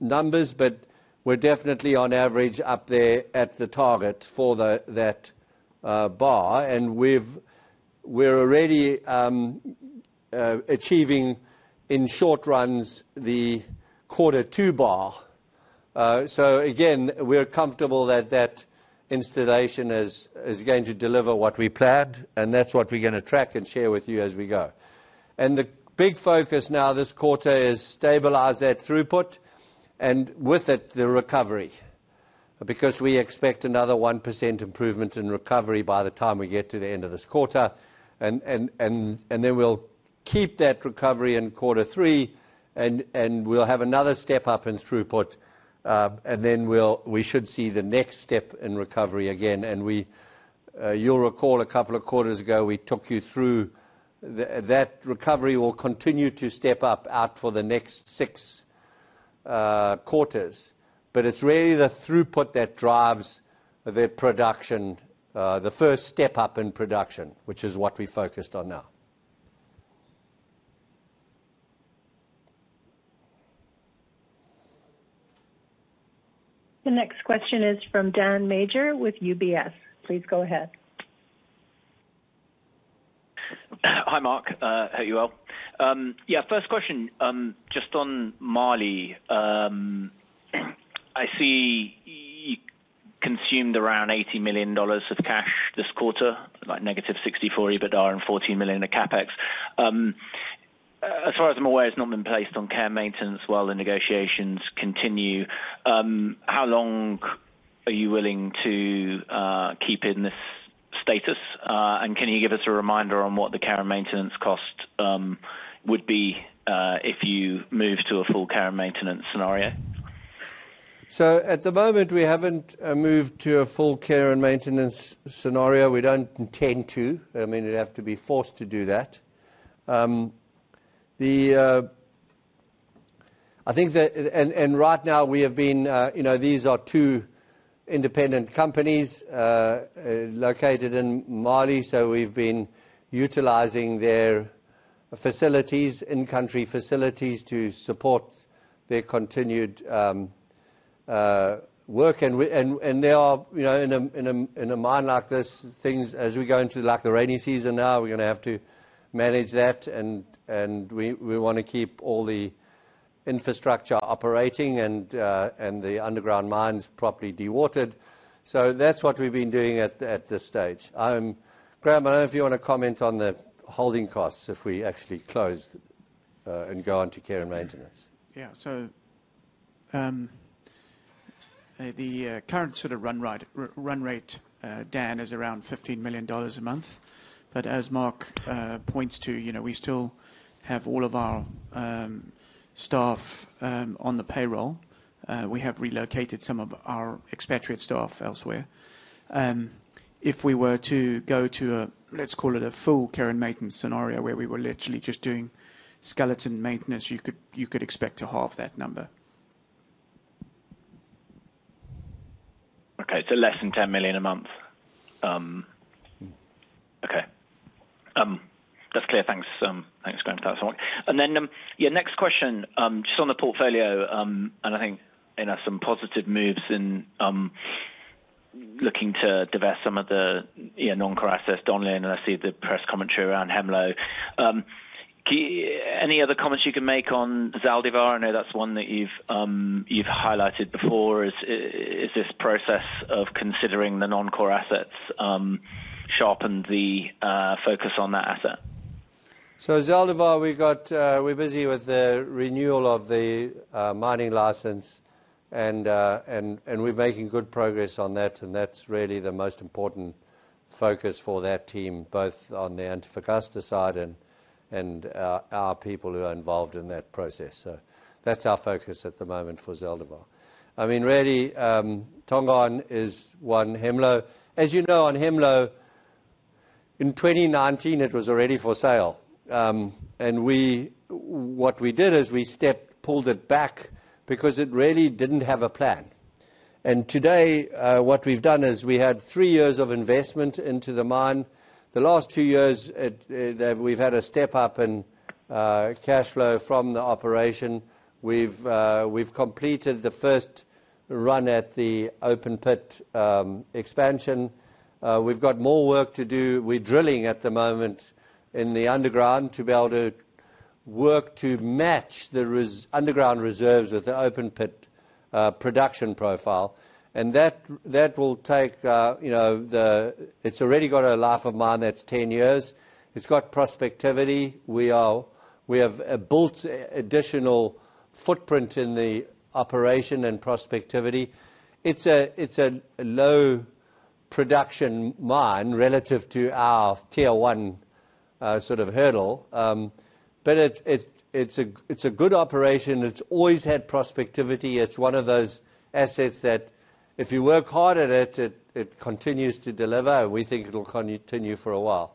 numbers, but we are definitely, on average, up there at the target for that bar, and we are already achieving in short runs the quarter two bar. We are comfortable that that installation is going to deliver what we planned, and that is what we are going to track and share with you as we go. The big focus now this quarter is stabilize that throughput and with it, the recovery because we expect another 1% improvement in recovery by the time we get to the end of this quarter, and then we'll keep that recovery in quarter three, and we'll have another step up in throughput, and then we should see the next step in recovery again. You'll recall a couple of quarters ago, we took you through that recovery will continue to step up out for the next six quarters, but it's really the throughput that drives the production, the first step up in production, which is what we focused on now. The next question is from Daniel Major with UBS. Please go ahead. Hi, Mark. How are you? Well. Yeah.First question, just on Mali, I see you consumed around 80 million dollars of cash this quarter, like negative 64 million EBITDA and 14 million of CapEx. As far as I'm aware, it's not been placed on care and maintenance while the negotiations continue. How long are you willing to keep in this status, and can you give us a reminder on what the care and maintenance cost would be if you move to a full care and maintenance scenario? At the moment, we haven't moved to a full care and maintenance scenario. We don't intend to. I mean, you'd have to be forced to do that. Right now, we have been—these are two independent companies located in Mali, so we've been utilizing their facilities, in-country facilities, to support their continued work. In a mine like this, as we go into the rainy season now, we're going to have to manage that, and we want to keep all the infrastructure operating and the underground mines properly dewatered. That is what we've been doing at this stage. Graham, I do not know if you want to comment on the holding costs if we actually close and go on to care and maintenance. Yeah. The current sort of run rate, Dan, is around 15 million dollars a month, but as Mark points to, we still have all of our staff on the payroll. We have relocated some of our expatriate staff elsewhere. If we were to go to a—let's call it a full care and maintenance scenario where we were literally just doing skeleton maintenance, you could expect to halve that number. Okay. Less than 10 million a month. Okay. That is clear. Thanks, Graham. Thanks so much. Your next question, just on the portfolio, and I think some positive moves in looking to divest some of the non-core assets. Donlin, and I see the press commentary around Hemlo. Any other comments you can make on Zaldívar? I know that's one that you've highlighted before. Has this process of considering the non-core assets sharpened the focus on that asset? Zaldívar, we're busy with the renewal of the mining license, and we're making good progress on that, and that's really the most important focus for that team, both on the anti-fragile side and our people who are involved in that process. That's our focus at the moment for Zaldívar. I mean, really, Tongon is one, Hemlo. As you know, on Hemlo, in 2019, it was already for sale, and what we did is we stepped, pulled it back because it really did not have a plan. Today, what we have done is we had three years of investment into the mine. The last two years, we have had a step up in cash flow from the operation. We have completed the first run at the open pit expansion. We have more work to do. We are drilling at the moment in the underground to be able to work to match the underground reserves with the open pit production profile, and that will take the—it has already got a life of mine that is 10 years. It has prospectivity. We have built additional footprint in the operation and prospectivity. It is a low production mine relative to our tier one sort of hurdle, but it is a good operation. It has always had prospectivity. It's one of those assets that if you work hard at it, it continues to deliver, and we think it'll continue for a while.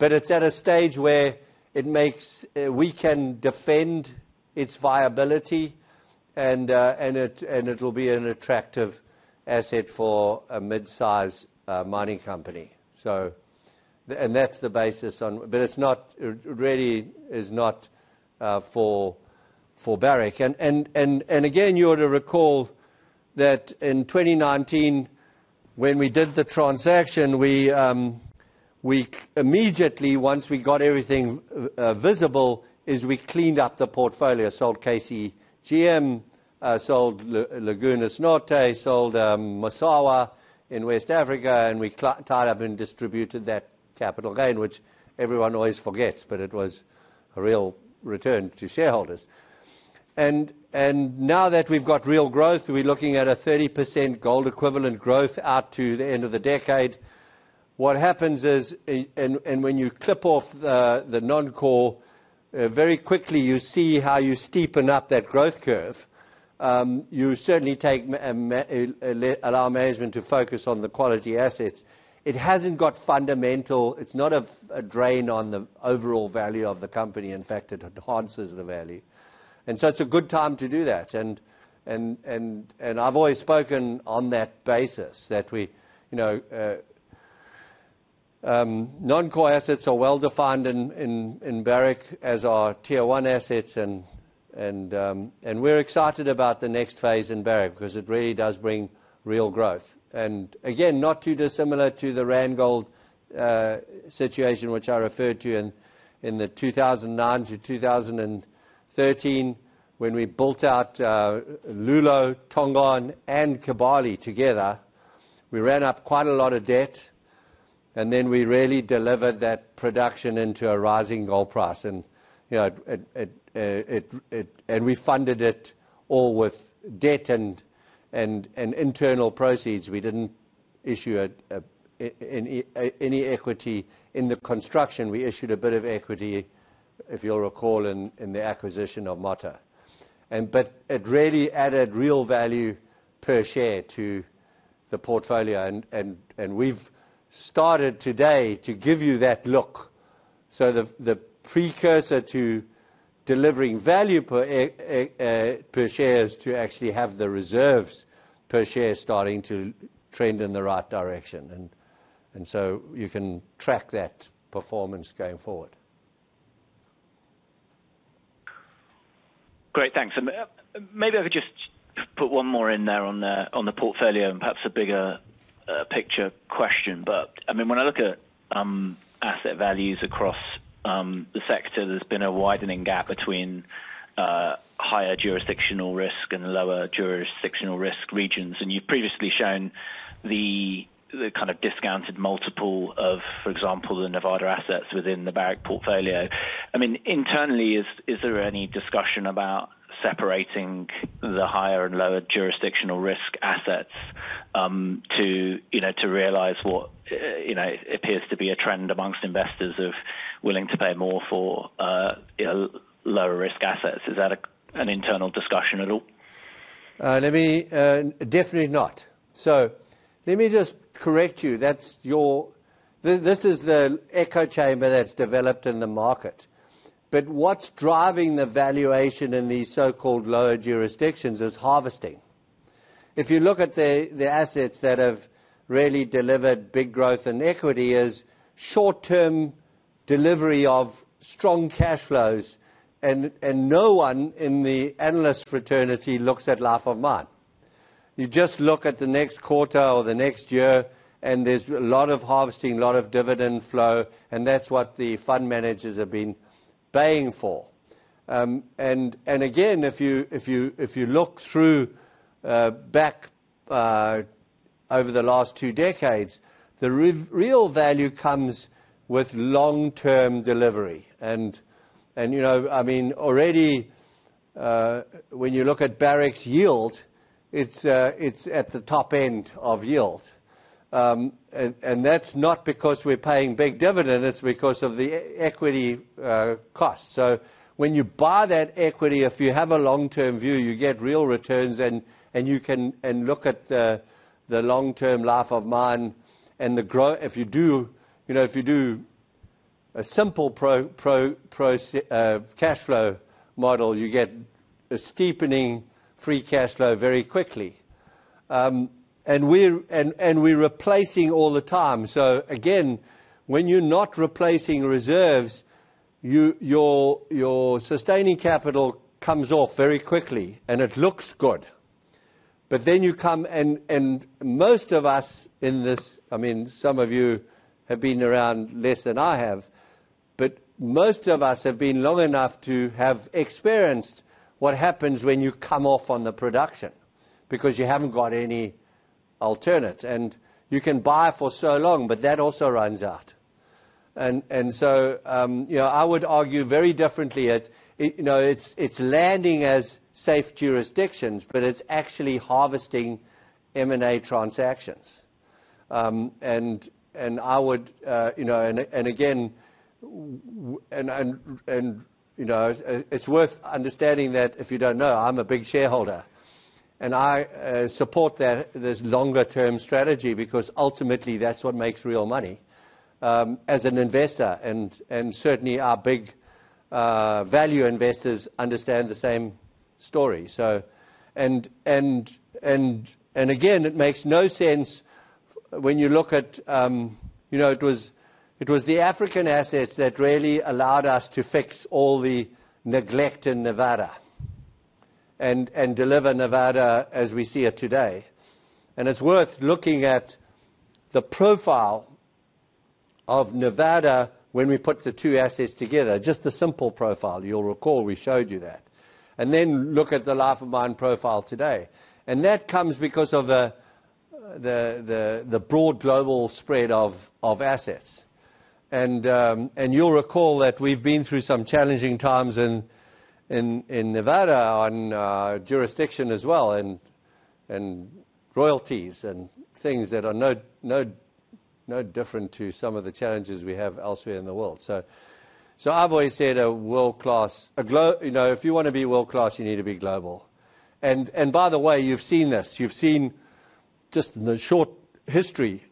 It is at a stage where we can defend its viability, and it'll be an attractive asset for a mid-size mining company. That's the basis on—but it really is not for Barrick. Again, you ought to recall that in 2019, when we did the transaction, immediately, once we got everything visible, we cleaned up the portfolio. Sold KCGM, sold Lagunas Norte, sold Massawa in West Africa, and we tied up and distributed that capital gain, which everyone always forgets, but it was a real return to shareholders. Now that we've got real growth, we're looking at a 30% gold equivalent growth out to the end of the decade. What happens is, and when you clip off the non-core, very quickly you see how you steepen up that growth curve. You certainly allow management to focus on the quality assets. It has not got fundamental—it is not a drain on the overall value of the company. In fact, it enhances the value. It is a good time to do that, and I have always spoken on that basis that non-core assets are well defined in Barrick as our tier one assets, and we are excited about the next phase in Barrick because it really does bring real growth. Again, not too dissimilar to the Randgold situation, which I referred to in 2009 to 2013 when we built out Loulo, Tongon, and Kibali together. We ran up quite a lot of debt, and then we really delivered that production into a rising gold price, and we funded it all with debt and internal proceeds. We did not issue any equity in the construction. We issued a bit of equity, if you'll recall, in the acquisition of Motta. But it really added real value per share to the portfolio, and we have started today to give you that look. The precursor to delivering value per share is to actually have the reserves per share starting to trend in the right direction, and you can track that performance going forward. Great. Thanks. Maybe I could just put one more in there on the portfolio and perhaps a bigger picture question. I mean, when I look at asset values across the sector, there's been a widening gap between higher jurisdictional risk and lower jurisdictional risk regions. You have previously shown the kind of discounted multiple of, for example, the Nevada assets within the Barrick portfolio. I mean, internally, is there any discussion about separating the higher and lower jurisdictional risk assets to realize what appears to be a trend amongst investors of willing to pay more for lower risk assets? Is that an internal discussion at all? Definitely not. Let me just correct you. This is the echo chamber that has developed in the market, but what is driving the valuation in these so-called lower jurisdictions is harvesting. If you look at the assets that have really delivered big growth in equity, it is short-term delivery of strong cash flows, and no one in the analyst fraternity looks at life of mine. You just look at the next quarter or the next year, and there is a lot of harvesting, a lot of dividend flow, and that is what the fund managers have been paying for. Again, if you look back over the last two decades, the real value comes with long-term delivery. I mean, already, when you look at Barrick's yield, it is at the top end of yield. That is not because we are paying big dividends, it is because of the equity cost. When you buy that equity, if you have a long-term view, you get real returns, and you can look at the long-term life of mine. If you do a simple cash flow model, you get a steepening free cash flow very quickly. We are replacing all the time. Again, when you are not replacing reserves, your sustaining capital comes off very quickly, and it looks good. Then you come—and most of us in this—I mean, some of you have been around less than I have, but most of us have been long enough to have experienced what happens when you come off on the production because you have not got any alternate. You can buy for so long, but that also runs out. I would argue very differently. It is landing as safe jurisdictions, but it is actually harvesting M&A transactions. I would—and again, it is worth understanding that if you do not know, I am a big shareholder, and I support this longer-term strategy because ultimately, that is what makes real money as an investor. Certainly, our big value investors understand the same story. Again, it makes no sense when you look at—it was the African assets that really allowed us to fix all the neglect in Nevada and deliver Nevada as we see it today. It is worth looking at the profile of Nevada when we put the two assets together, just the simple profile. You will recall we showed you that. Then look at the life of mine profile today. That comes because of the broad global spread of assets. You will recall that we have been through some challenging times in Nevada on jurisdiction as well and royalties and things that are no different to some of the challenges we have elsewhere in the world. I have always said a world-class—if you want to be world-class, you need to be global. By the way, you have seen this. You have seen just the short history.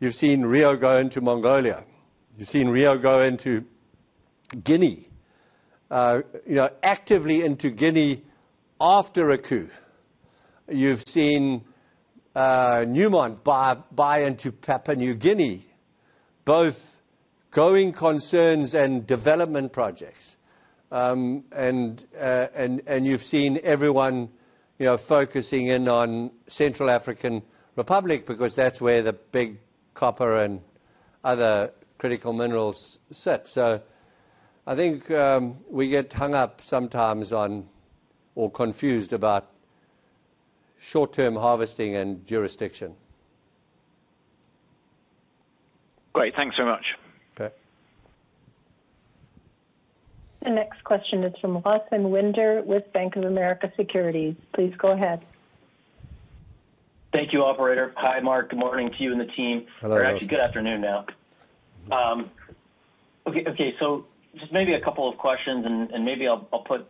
You have seen Rio go into Mongolia. You've seen Rio go into Guinea, actively into Guinea after a coup. You've seen Newmont buy into Papua New Guinea, both growing concerns and development projects. You've seen everyone focusing in on Central African Republic because that's where the big copper and other critical minerals sit. I think we get hung up sometimes on or confused about short-term harvesting and jurisdiction. Great. Thanks very much. Okay. The next question is from Lawson Winder with Bank of America Securities. Please go ahead. Thank you, Operator. Hi, Mark. Good morning to you and the team. Hello, everyone. Good afternoon now. Okay. Just maybe a couple of questions, and maybe I'll put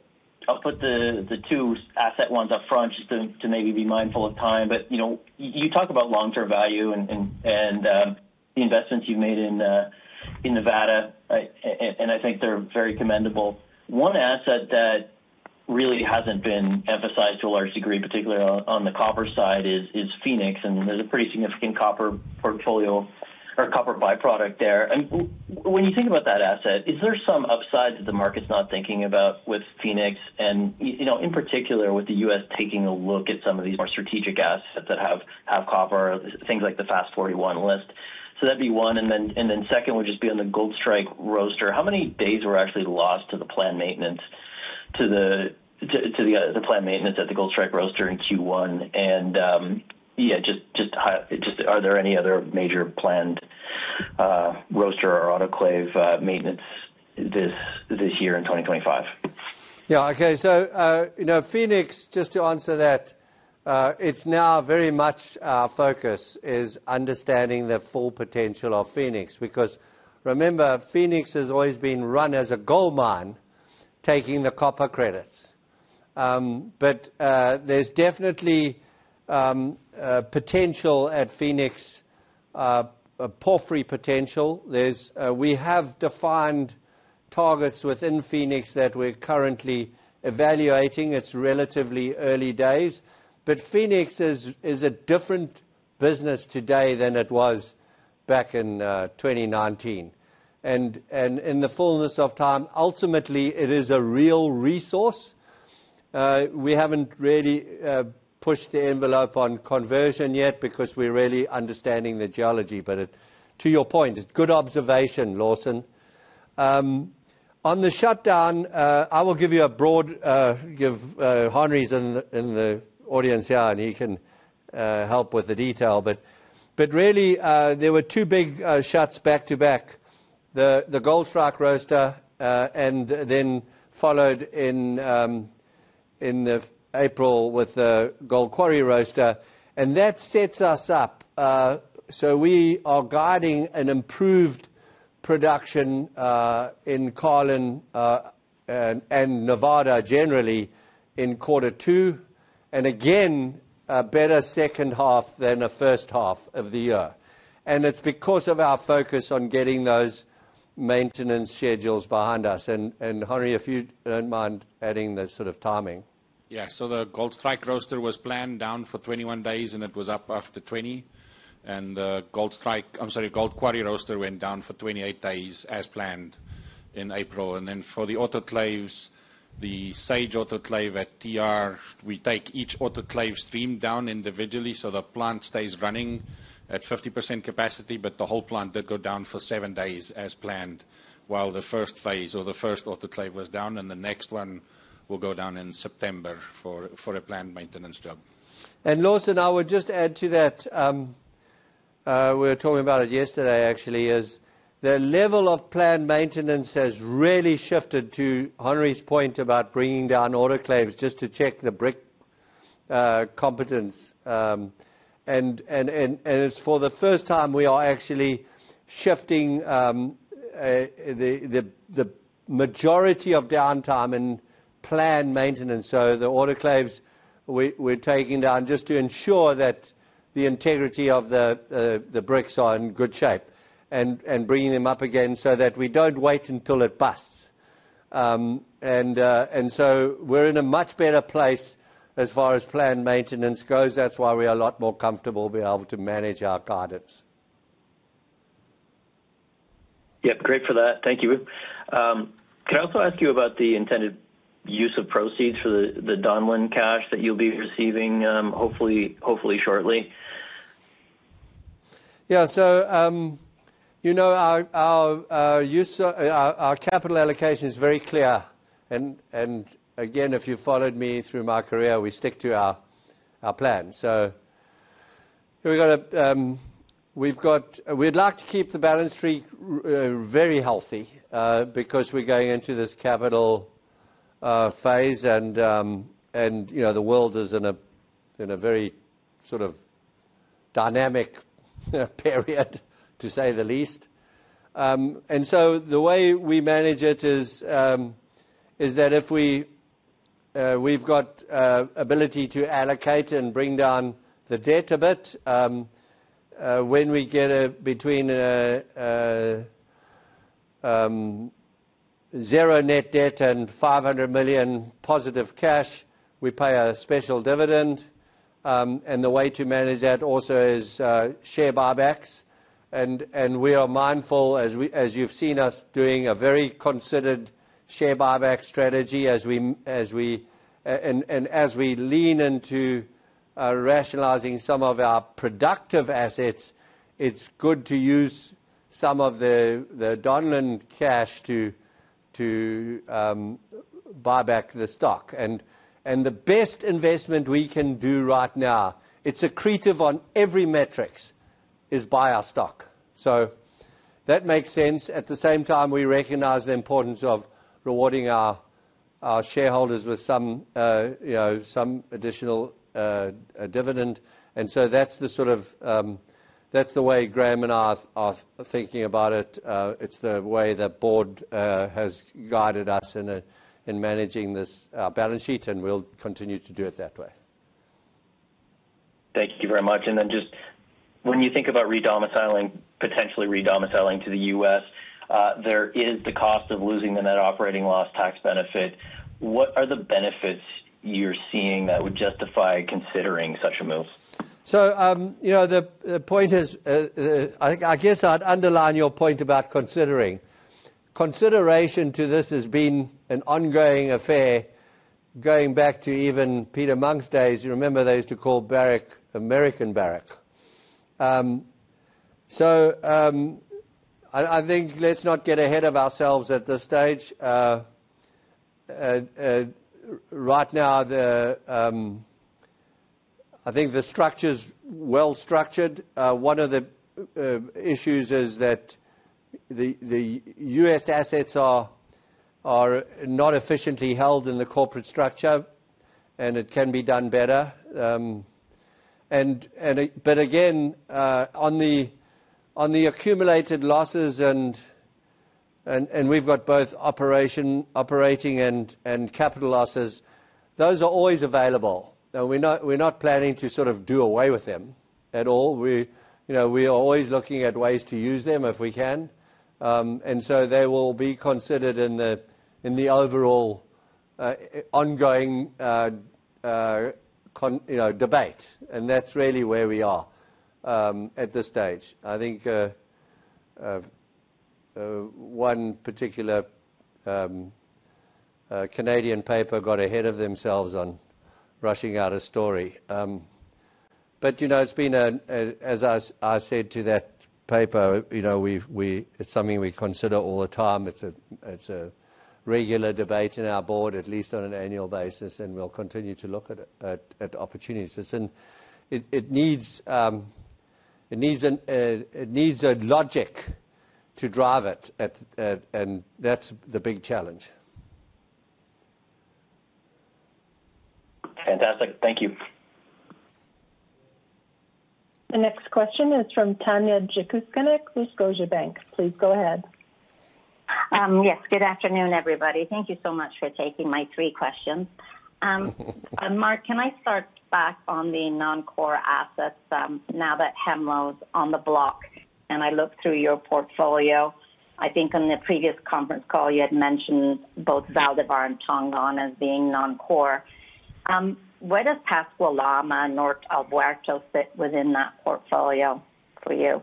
the two asset ones up front just to maybe be mindful of time. You talk about long-term value and the investments you've made in Nevada, and I think they're very commendable. One asset that really hasn't been emphasized to a large degree, particularly on the copper side, is Phoenix. And there's a pretty significant copper portfolio or copper byproduct there. When you think about that asset, is there some upside that the market's not thinking about with Phoenix, and in particular with the US taking a look at some of these more strategic assets that have copper, things like the FAST 41 list? That'd be one. The second would just be on the Goldstrike roaster. How many days were actually lost to the planned maintenance at the Goldstrike roaster in Q1? Yeah, just are there any other major planned roaster or autoclave maintenance this year in 2025? Yeah. Okay. Phoenix, just to answer that, it's now very much our focus is understanding the full potential of Phoenix because remember, Phoenix has always been run as a gold mine, taking the copper credits. There is definitely potential at Phoenix, porphyry potential. We have defined targets within Phoenix that we're currently evaluating. It's relatively early days, but Phoenix is a different business today than it was back in 2019. In the fullness of time, ultimately, it is a real resource. We haven't really pushed the envelope on conversion yet because we're really understanding the geology. To your point, it's a good observation, Lawson. On the shutdown, I will give you a broad—you have Henri's in the audience here, and he can help with the detail. There were two big shuts back to back, the Goldstrike roaster, and then followed in April with the Gold Quarry roaster. That sets us up. We are guiding an improved production in Carlin and Nevada generally in quarter two, and again, a better second half than a first half of the year. It is because of our focus on getting those maintenance schedules behind us. Henri, if you do not mind adding the sort of timing. Yeah. The Goldstrike roaster was planned down for 21 days, and it was up after 20. The Goldstrike—I'm sorry, Gold Quarry roaster went down for 28 days as planned in April. For the autoclaves, the Sage autoclave at TR, we take each autoclave stream down individually so the plant stays running at 50% capacity, but the whole plant did go down for seven days as planned while the first phase or the first autoclave was down. The next one will go down in September for a planned maintenance job. Lawson, I would just add to that—we were talking about it yesterday, actually—the level of planned maintenance has really shifted to Henri's point about bringing down autoclaves just to check the brick competence. It is for the first time we are actually shifting the majority of downtime in planned maintenance. The autoclaves, we are taking down just to ensure that the integrity of the bricks are in good shape and bringing them up again so that we do not wait until it busts. We are in a much better place as far as planned maintenance goes. That is why we are a lot more comfortable being able to manage our guidance. Yep. Great for that. Thank you. Can I also ask you about the intended use of proceeds for the Donlin cash that you will be receiving hopefully shortly? Yeah. Our capital allocation is very clear. Again, if you have followed me through my career, we stick to our plan. We would like to keep the balance sheet very healthy because we are going into this capital phase, and the world is in a very sort of dynamic period, to say the least. The way we manage it is that if we have the ability to allocate and bring down the debt a bit, when we get between zero net debt and 500 million positive cash, we pay a special dividend. The way to manage that also is share buybacks. We are mindful, as you have seen us doing, of a very considered share buyback strategy as we—and as we lean into rationalizing some of our productive assets, it is good to use some of the Donlin cash to buy back the stock. The best investment we can do right now, it is accretive on every metrics, is buy our stock. That makes sense. At the same time, we recognize the importance of rewarding our shareholders with some additional dividend. That is the sort of—that is the way Graham and I are thinking about it. It is the way the board has guided us in managing this balance sheet, and we will continue to do it that way. Thank you very much. When you think about redomiciling, potentially redomiciling to the US, there is the cost of losing the net operating loss tax benefit. What are the benefits you're seeing that would justify considering such a move? The point is, I guess I'd underline your point about considering. Consideration to this has been an ongoing affair going back to even Peter Monk's days. You remember they used to call Barrick American Barrick. I think let's not get ahead of ourselves at this stage. Right now, I think the structure's well structured. One of the issues is that the US assets are not efficiently held in the corporate structure, and it can be done better. Again, on the accumulated losses, and we've got both operating and capital losses, those are always available. We're not planning to sort of do away with them at all. We are always looking at ways to use them if we can. They will be considered in the overall ongoing debate. That is really where we are at this stage. I think one particular Canadian paper got ahead of themselves on rushing out a story. As I said to that paper, it is something we consider all the time. It is a regular debate in our board, at least on an annual basis, and we will continue to look at opportunities. It needs a logic to drive it, and that is the big challenge. Fantastic. Thank you. The next question is from Tanya Jakusconek with Scotia Bank. Please go ahead. Yes. Good afternoon, everybody. Thank you so much for taking my three questions. Mark, can I start back on the non-core assets now that Hemlo is on the block and I look through your portfolio? I think on the previous conference call, you had mentioned both Zaldívar and Tongon as being non-core. Where does Pascua-Lama and North Alberto sit within that portfolio for you?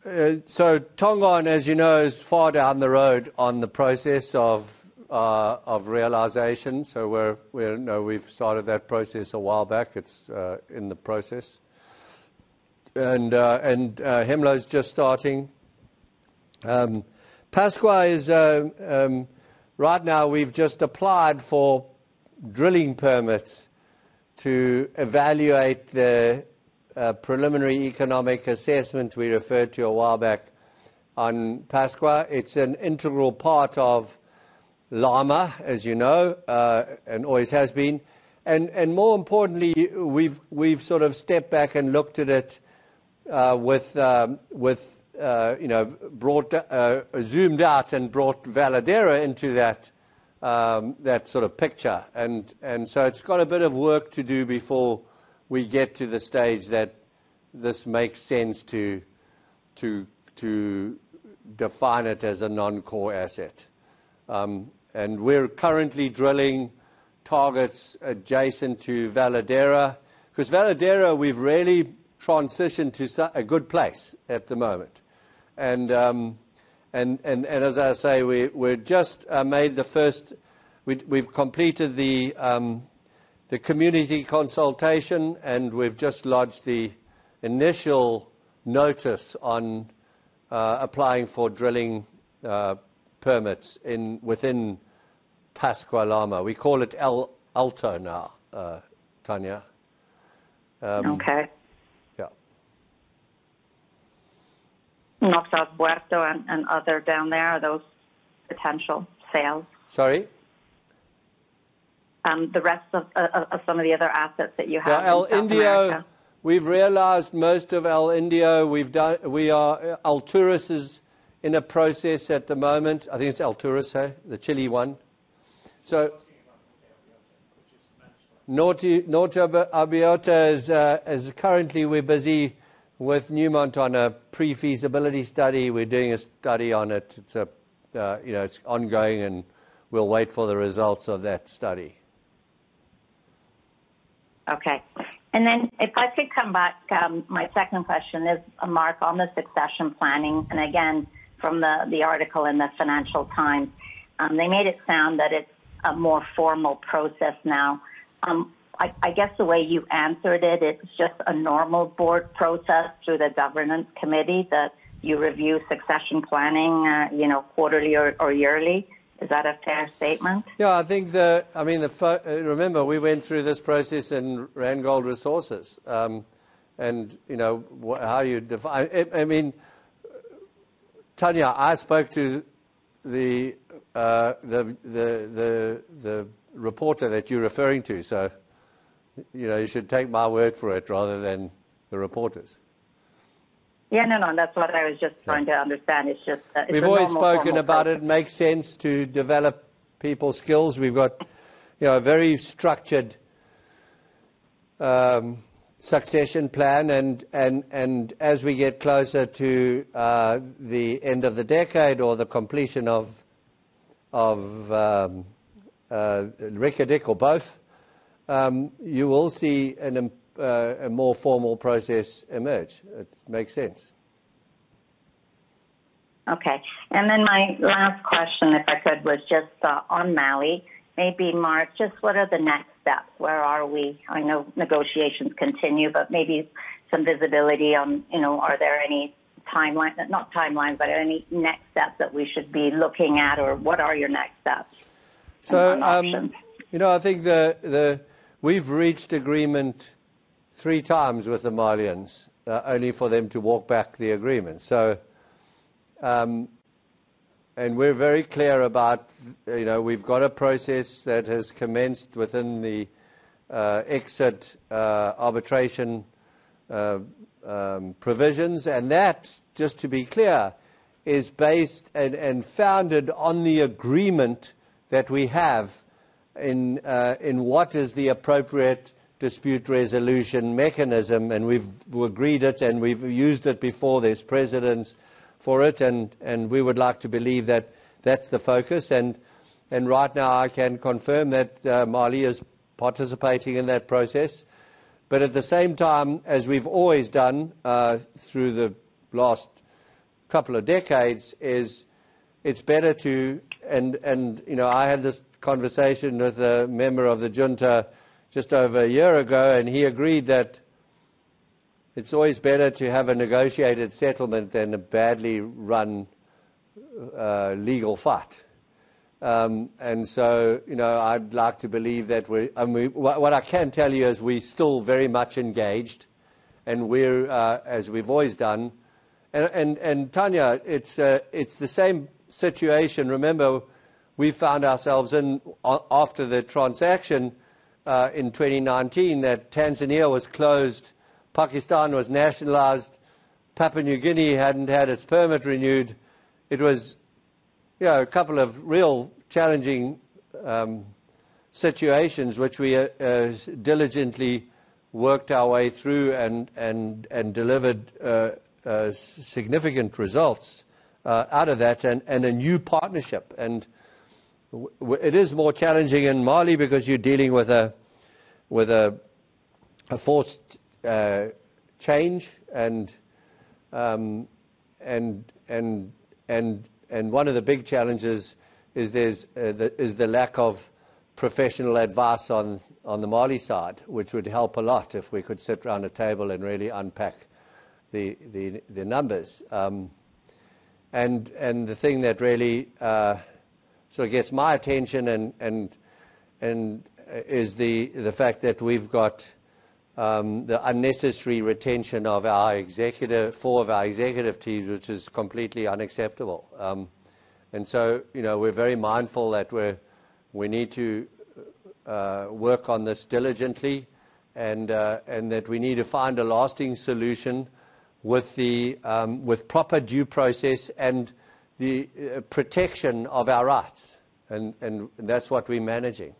Tongon, as you know, is far down the road on the process of realization. We started that process a while back. It's in the process. Hemlo's just starting. Pascua is right now, we've just applied for drilling permits to evaluate the preliminary economic assessment we referred to a while back on Pascua. It's an integral part of Lama, as you know, and always has been. More importantly, we've sort of stepped back and looked at it with zoomed out and brought Veladero into that sort of picture. It's got a bit of work to do before we get to the stage that this makes sense to define it as a non-core asset. We're currently drilling targets adjacent to Veladero because Veladero, we've really transitioned to a good place at the moment. As I say, we've just made the first—we've completed the community consultation, and we've just lodged the initial notice on applying for drilling permits within Pascua-Lama. We call it Alto now, Tanya. Okay. Yeah. North Alberto and other down there, those potential sales? Sorry? The rest of some of the other assets that you have in Alto. Yeah. El Indio. We've realized most of El Indio. Alturas is in a process at the moment. I think it's Alturas, the Chile one. So Norte Abierto is currently—we're busy with Newmont on a pre-feasibility study. We're doing a study on it. It's ongoing, and we'll wait for the results of that study. Okay. If I could come back, my second question is, Mark, on the succession planning. Again, from the article in the Financial Times, they made it sound that it's a more formal process now. I guess the way you answered it, it's just a normal board process through the governance committee that you review succession planning quarterly or yearly. Is that a fair statement? Yeah. I mean, remember, we went through this process in Randgold Resources. And how you—I mean, Tanya, I spoke to the reporter that you're referring to, so you should take my word for it rather than the reporter's. Yeah. No, no. That's what I was just trying to understand. It's just that it's a very— `We have always spoken about it makes sense to develop people's skills. We have a very structured succession plan. As we get closer to the end of the decade or the completion of Reykjavik or both, you will see a more formal process emerge. It makes sense. Okay. And then my last question, if I could, was just on Mali. Maybe, Mark, just what are the next steps? Where are we? I know negotiations continue, but maybe some visibility on—are there any timelines? Not timelines, but any next steps that we should be looking at, or what are your next steps? I think we've reached agreement three times with the Malians, only for them to walk back the agreement. We're very clear about we've got a process that has commenced within the exit arbitration provisions. That, just to be clear, is based and founded on the agreement that we have in what is the appropriate dispute resolution mechanism. We've agreed it, and we've used it before, there's precedent for it. We would like to believe that that's the focus. Right now, I can confirm that Mali is participating in that process. At the same time, as we've always done through the last couple of decades, it's better to—and I had this conversation with a member of the junta just over a year ago, and he agreed that it's always better to have a negotiated settlement than a badly run legal fight. I'd like to believe that we're—what I can tell you is we're still very much engaged, and we're, as we've always done. Tanya, it's the same situation. Remember, we found ourselves in, after the transaction in 2019, that Tanzania was closed, Pakistan was nationalized, Papua New Guinea hadn't had its permit renewed. It was a couple of real challenging situations which we diligently worked our way through and delivered significant results out of that and a new partnership. It is more challenging in Mali because you're dealing with a forced change. One of the big challenges is the lack of professional advice on the Mali side, which would help a lot if we could sit around a table and really unpack the numbers. The thing that really sort of gets my attention is the fact that we've got the unnecessary retention of four of our executive teams, which is completely unacceptable. We are very mindful that we need to work on this diligently and that we need to find a lasting solution with proper due process and the protection of our rights. That is what we're managing.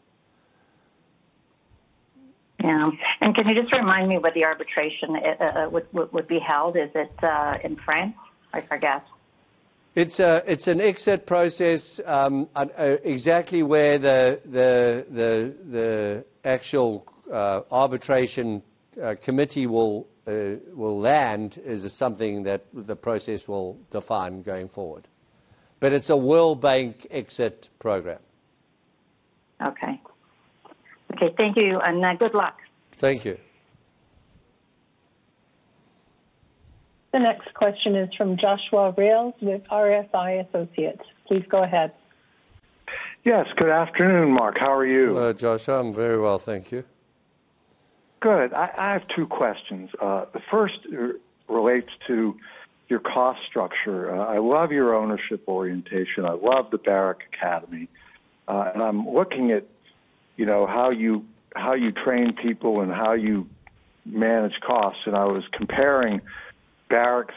Yeah. Can you just remind me where the arbitration would be held? Is it in France, I guess? It's an exit process. Exactly where the actual arbitration committee will land is something that the process will define going forward. But it's a World Bank exit program. Okay. Okay. Thank you. And good luck. Thank you. The next question is from Joshua Reales with RFI Associates. Please go ahead. Yes. Good afternoon, Mark. How are you? Hello, Joshua. I'm very well. Thank you. Good. I have two questions. The first relates to your cost structure. I love your ownership orientation. I love the Barrick Academy. And I'm looking at how you train people and how you manage costs. And I was comparing Barrick's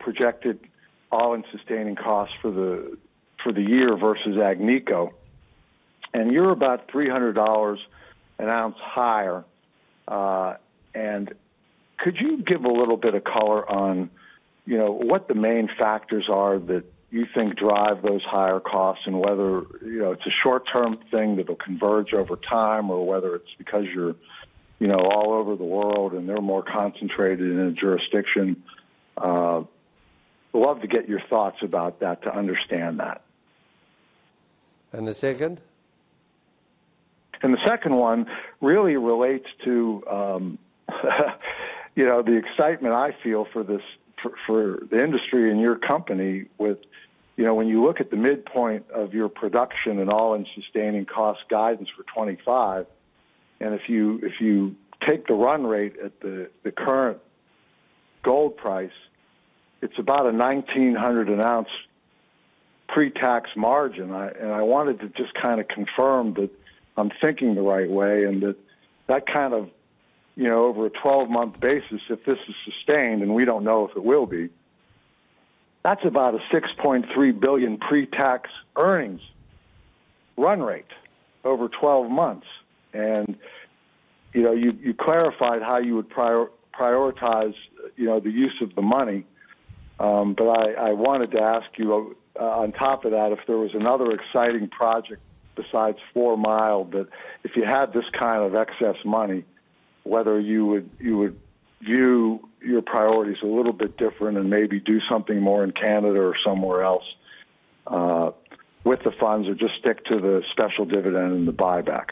projected all-in sustaining costs for the year versus Agnico. And you're about 300 dollars an ounce higher. Could you give a little bit of color on what the main factors are that you think drive those higher costs and whether it is a short-term thing that will converge over time or whether it is because you are all over the world and they are more concentrated in a jurisdiction? I would love to get your thoughts about that to understand that. And the second? The second one really relates to the excitement I feel for the industry and your company when you look at the midpoint of your production and all-in sustaining cost guidance for 2025. If you take the run rate at the current gold price, it is about a CAD 1,900-an-ounce pre-tax margin. I wanted to just kind of confirm that I'm thinking the right way and that that kind of, over a 12-month basis, if this is sustained—and we don't know if it will be—that's about a 6.3 billion pre-tax earnings run rate over 12 months. You clarified how you would prioritize the use of the money. I wanted to ask you, on top of that, if there was another exciting project besides Fourmile that, if you had this kind of excess money, whether you would view your priorities a little bit different and maybe do something more in Canada or somewhere else with the funds or just stick to the special dividend and the buyback.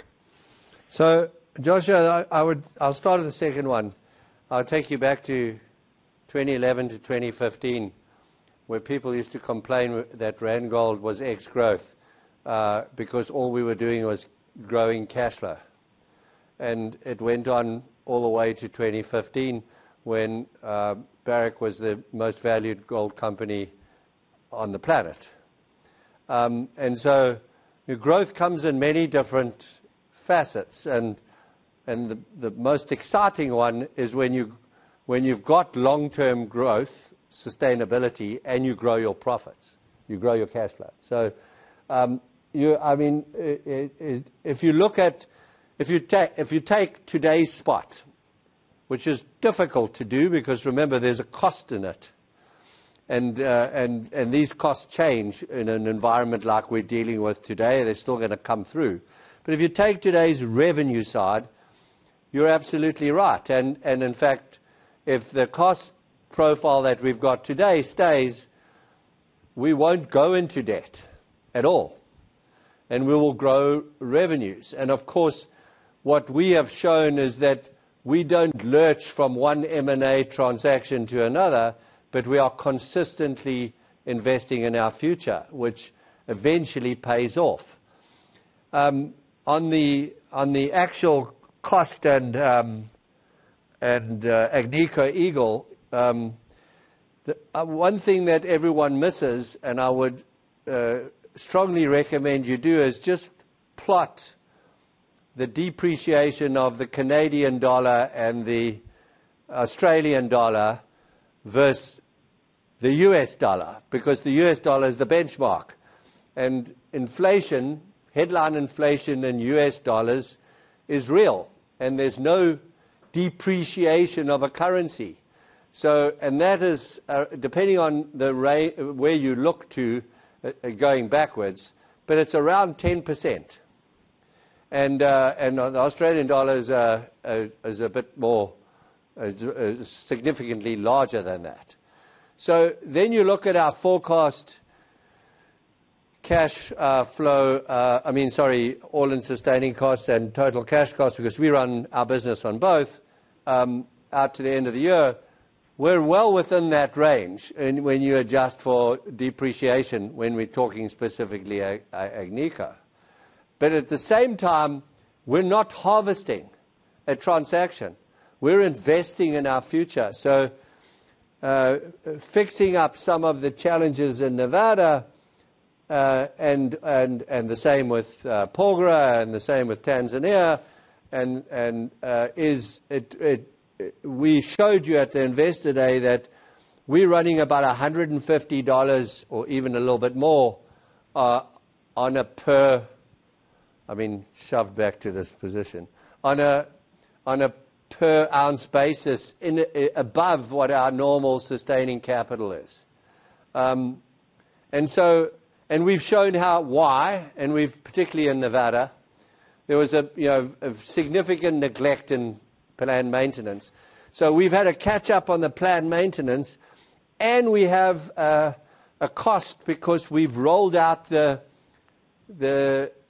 Joshua, I'll start with the second one. I'll take you back to 2011 to 2015, where people used to complain that Randgold was ex-growth because all we were doing was growing cash flow. It went on all the way to 2015 when Barrick was the most valued gold company on the planet. Growth comes in many different facets. The most exciting one is when you've got long-term growth, sustainability, and you grow your profits. You grow your cash flow. I mean, if you look at if you take today's spot, which is difficult to do because, remember, there's a cost in it. These costs change in an environment like we're dealing with today. They're still going to come through. If you take today's revenue side, you're absolutely right. In fact, if the cost profile that we've got today stays, we won't go into debt at all. We will grow revenues. Of course, what we have shown is that we do not lurch from one M&A transaction to another, but we are consistently investing in our future, which eventually pays off. On the actual cost and Agnico Eagle, one thing that everyone misses, and I would strongly recommend you do, is just plot the depreciation of the Canadian dollar and the Australian dollar versus the US dollar because the US dollar is the benchmark. Headline inflation in US dollars is real. There is no depreciation of a currency. That is, depending on where you look to going backwards, but it is around 10%. The Australian dollar is a bit more significantly larger than that. Then you look at our forecast cash flow—I mean, sorry, all-in sustaining costs and total cash costs because we run our business on both—out to the end of the year, we're well within that range when you adjust for depreciation when we're talking specifically Agnico. At the same time, we're not harvesting a transaction. We're investing in our future. Fixing up some of the challenges in Nevada and the same with Porgera and the same with Tanzania is—we showed you at Investor Day that we're running about 150 dollars or even a little bit more on a per—I mean, shoved back to this position—on a per-ounce basis above what our normal sustaining capital is. We've shown why, and we've—particularly in Nevada, there was a significant neglect in planned maintenance. We've had a catch-up on the planned maintenance, and we have a cost because we've rolled out the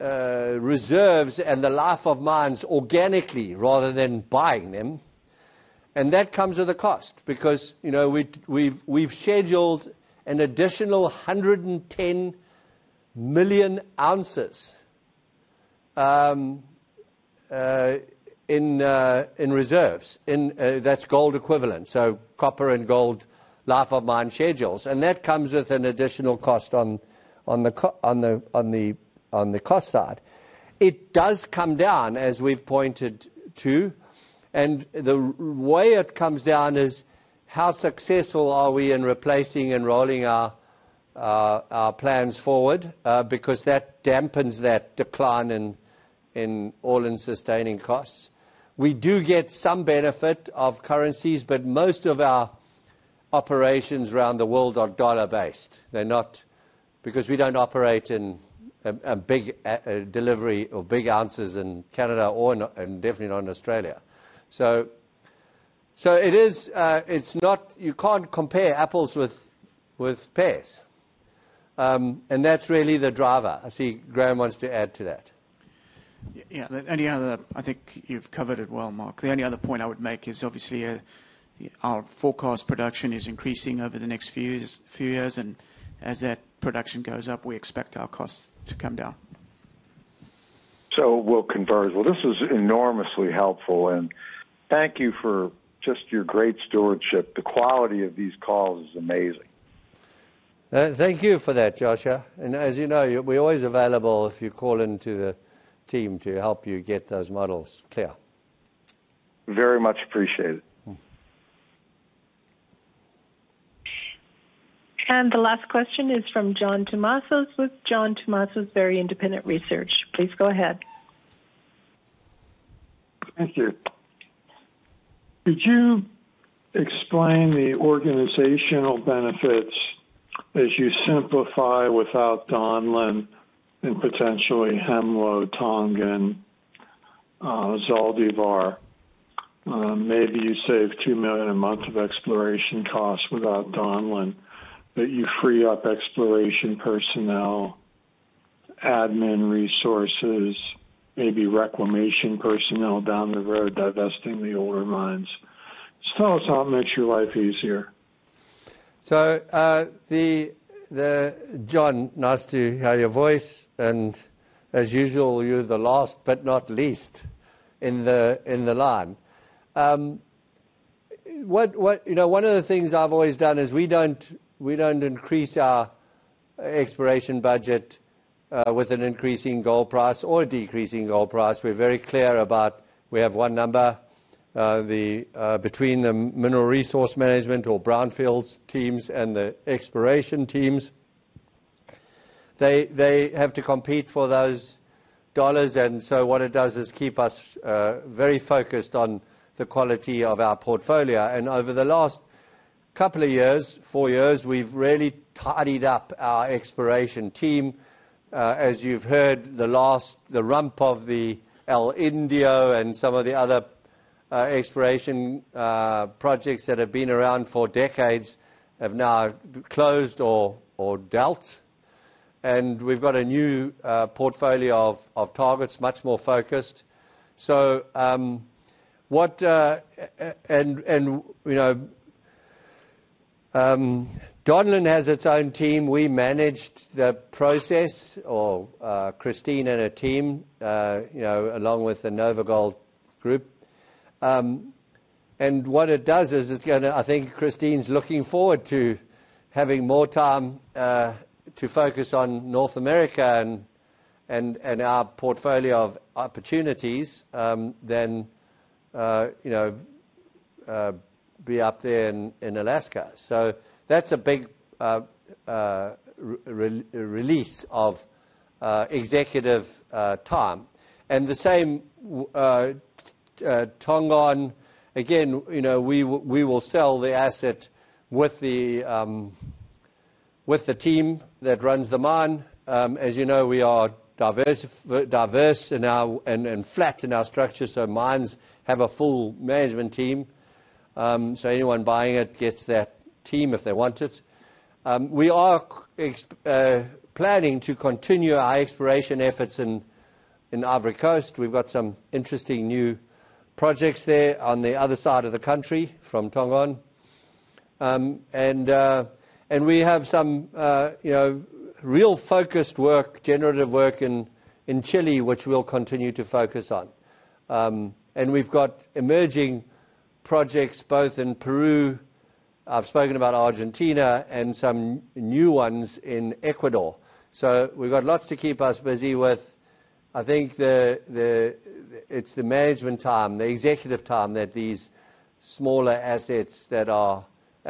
reserves and the life of mines organically rather than buying them. That comes with a cost because we've scheduled an additional 110 million ounces in reserves. That's gold equivalent, so copper and gold life of mine schedules. That comes with an additional cost on the cost side. It does come down, as we've pointed to. The way it comes down is how successful are we in replacing and rolling our plans forward because that dampens that decline in all-in sustaining costs. We do get some benefit of currencies, but most of our operations around the world are dollar-based. We do not operate in a big delivery or big ounces in Canada and definitely not in Australia. You cannot compare apples with pears. That's really the driver. I see Graham wants to add to that. Yeah. I think you've covered it well, Mark. The only other point I would make is, obviously, our forecast production is increasing over the next few years. As that production goes up, we expect our costs to come down. We'll converge. This was enormously helpful. Thank you for just your great stewardship. The quality of these calls is amazing. Thank you for that, Joshua. As you know, we're always available if you call into the team to help you get those models clear. Very much appreciated. The last question is from John Tumazos with John Tumazos Very Independent Research. Please go ahead. Thank you. Could you explain the organizational benefits as you simplify without Donlin and potentially Hemlo, Tongon, Zaldívar? Maybe you save 2 million a month of exploration costs without Donlin, but you free up exploration personnel, admin resources, maybe reclamation personnel down the road divesting the older mines. Just tell us how it makes your life easier. John, nice to hear your voice. As usual, you're the last but not least in the line. One of the things I've always done is we don't increase our exploration budget with an increasing gold price or a decreasing gold price. We're very clear about we have one number between the mineral resource management or brownfields teams and the exploration teams. They have to compete for those dollars. What it does is keep us very focused on the quality of our portfolio. Over the last couple of years, four years, we've really tidied up our exploration team. As you have heard, the rump of the El Indio and some of the other exploration projects that have been around for decades have now closed or dealt. We have got a new portfolio of targets, much more focused. Donlin has its own team. We managed the process, or Christine and her team, along with the NovaGold Group. What it does is it is going to—I think Christine is looking forward to having more time to focus on North America and our portfolio of opportunities than be up there in Alaska. That is a big release of executive time. The same Tongon, again, we will sell the asset with the team that runs the mine. As you know, we are diverse and flat in our structure. Mines have a full management team. Anyone buying it gets that team if they want it. We are planning to continue our exploration efforts in Ivory Coast. We've got some interesting new projects there on the other side of the country from Tongon. We have some real focused work, generative work in Chile, which we'll continue to focus on. We've got emerging projects both in Peru—I have spoken about Argentina—and some new ones in Ecuador. We've got lots to keep us busy with. I think it's the management time, the executive time that these smaller assets that are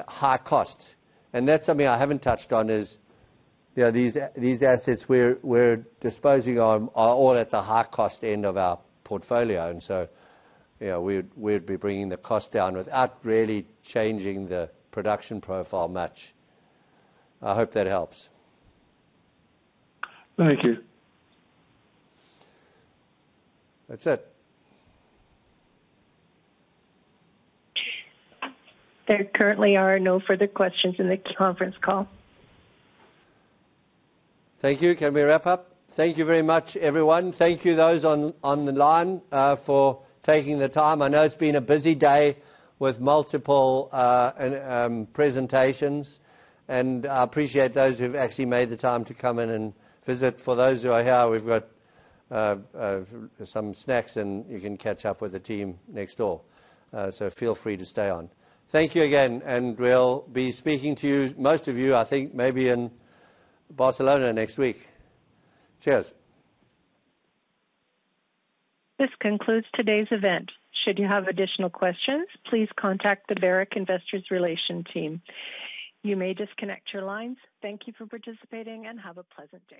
high cost—and that's something I haven't touched on—is these assets we're disposing of are all at the high cost end of our portfolio. We would be bringing the cost down without really changing the production profile much. I hope that helps. Thank you. That's it. There currently are no further questions in the conference call. Thank you. Can we wrap up? Thank you very much, everyone. Thank you, those on the line, for taking the time. I know it has been a busy day with multiple presentations. I appreciate those who have actually made the time to come in and visit. For those who are here, we have got some snacks, and you can catch up with the team next door. Feel free to stay on. Thank you again. We will be speaking to you, most of you, I think, maybe in Barcelona next week. Cheers. This concludes today's event. Should you have additional questions, please contact the Barrick Investor Relations Team. You may disconnect your lines. Thank you for participating and have a pleasant day.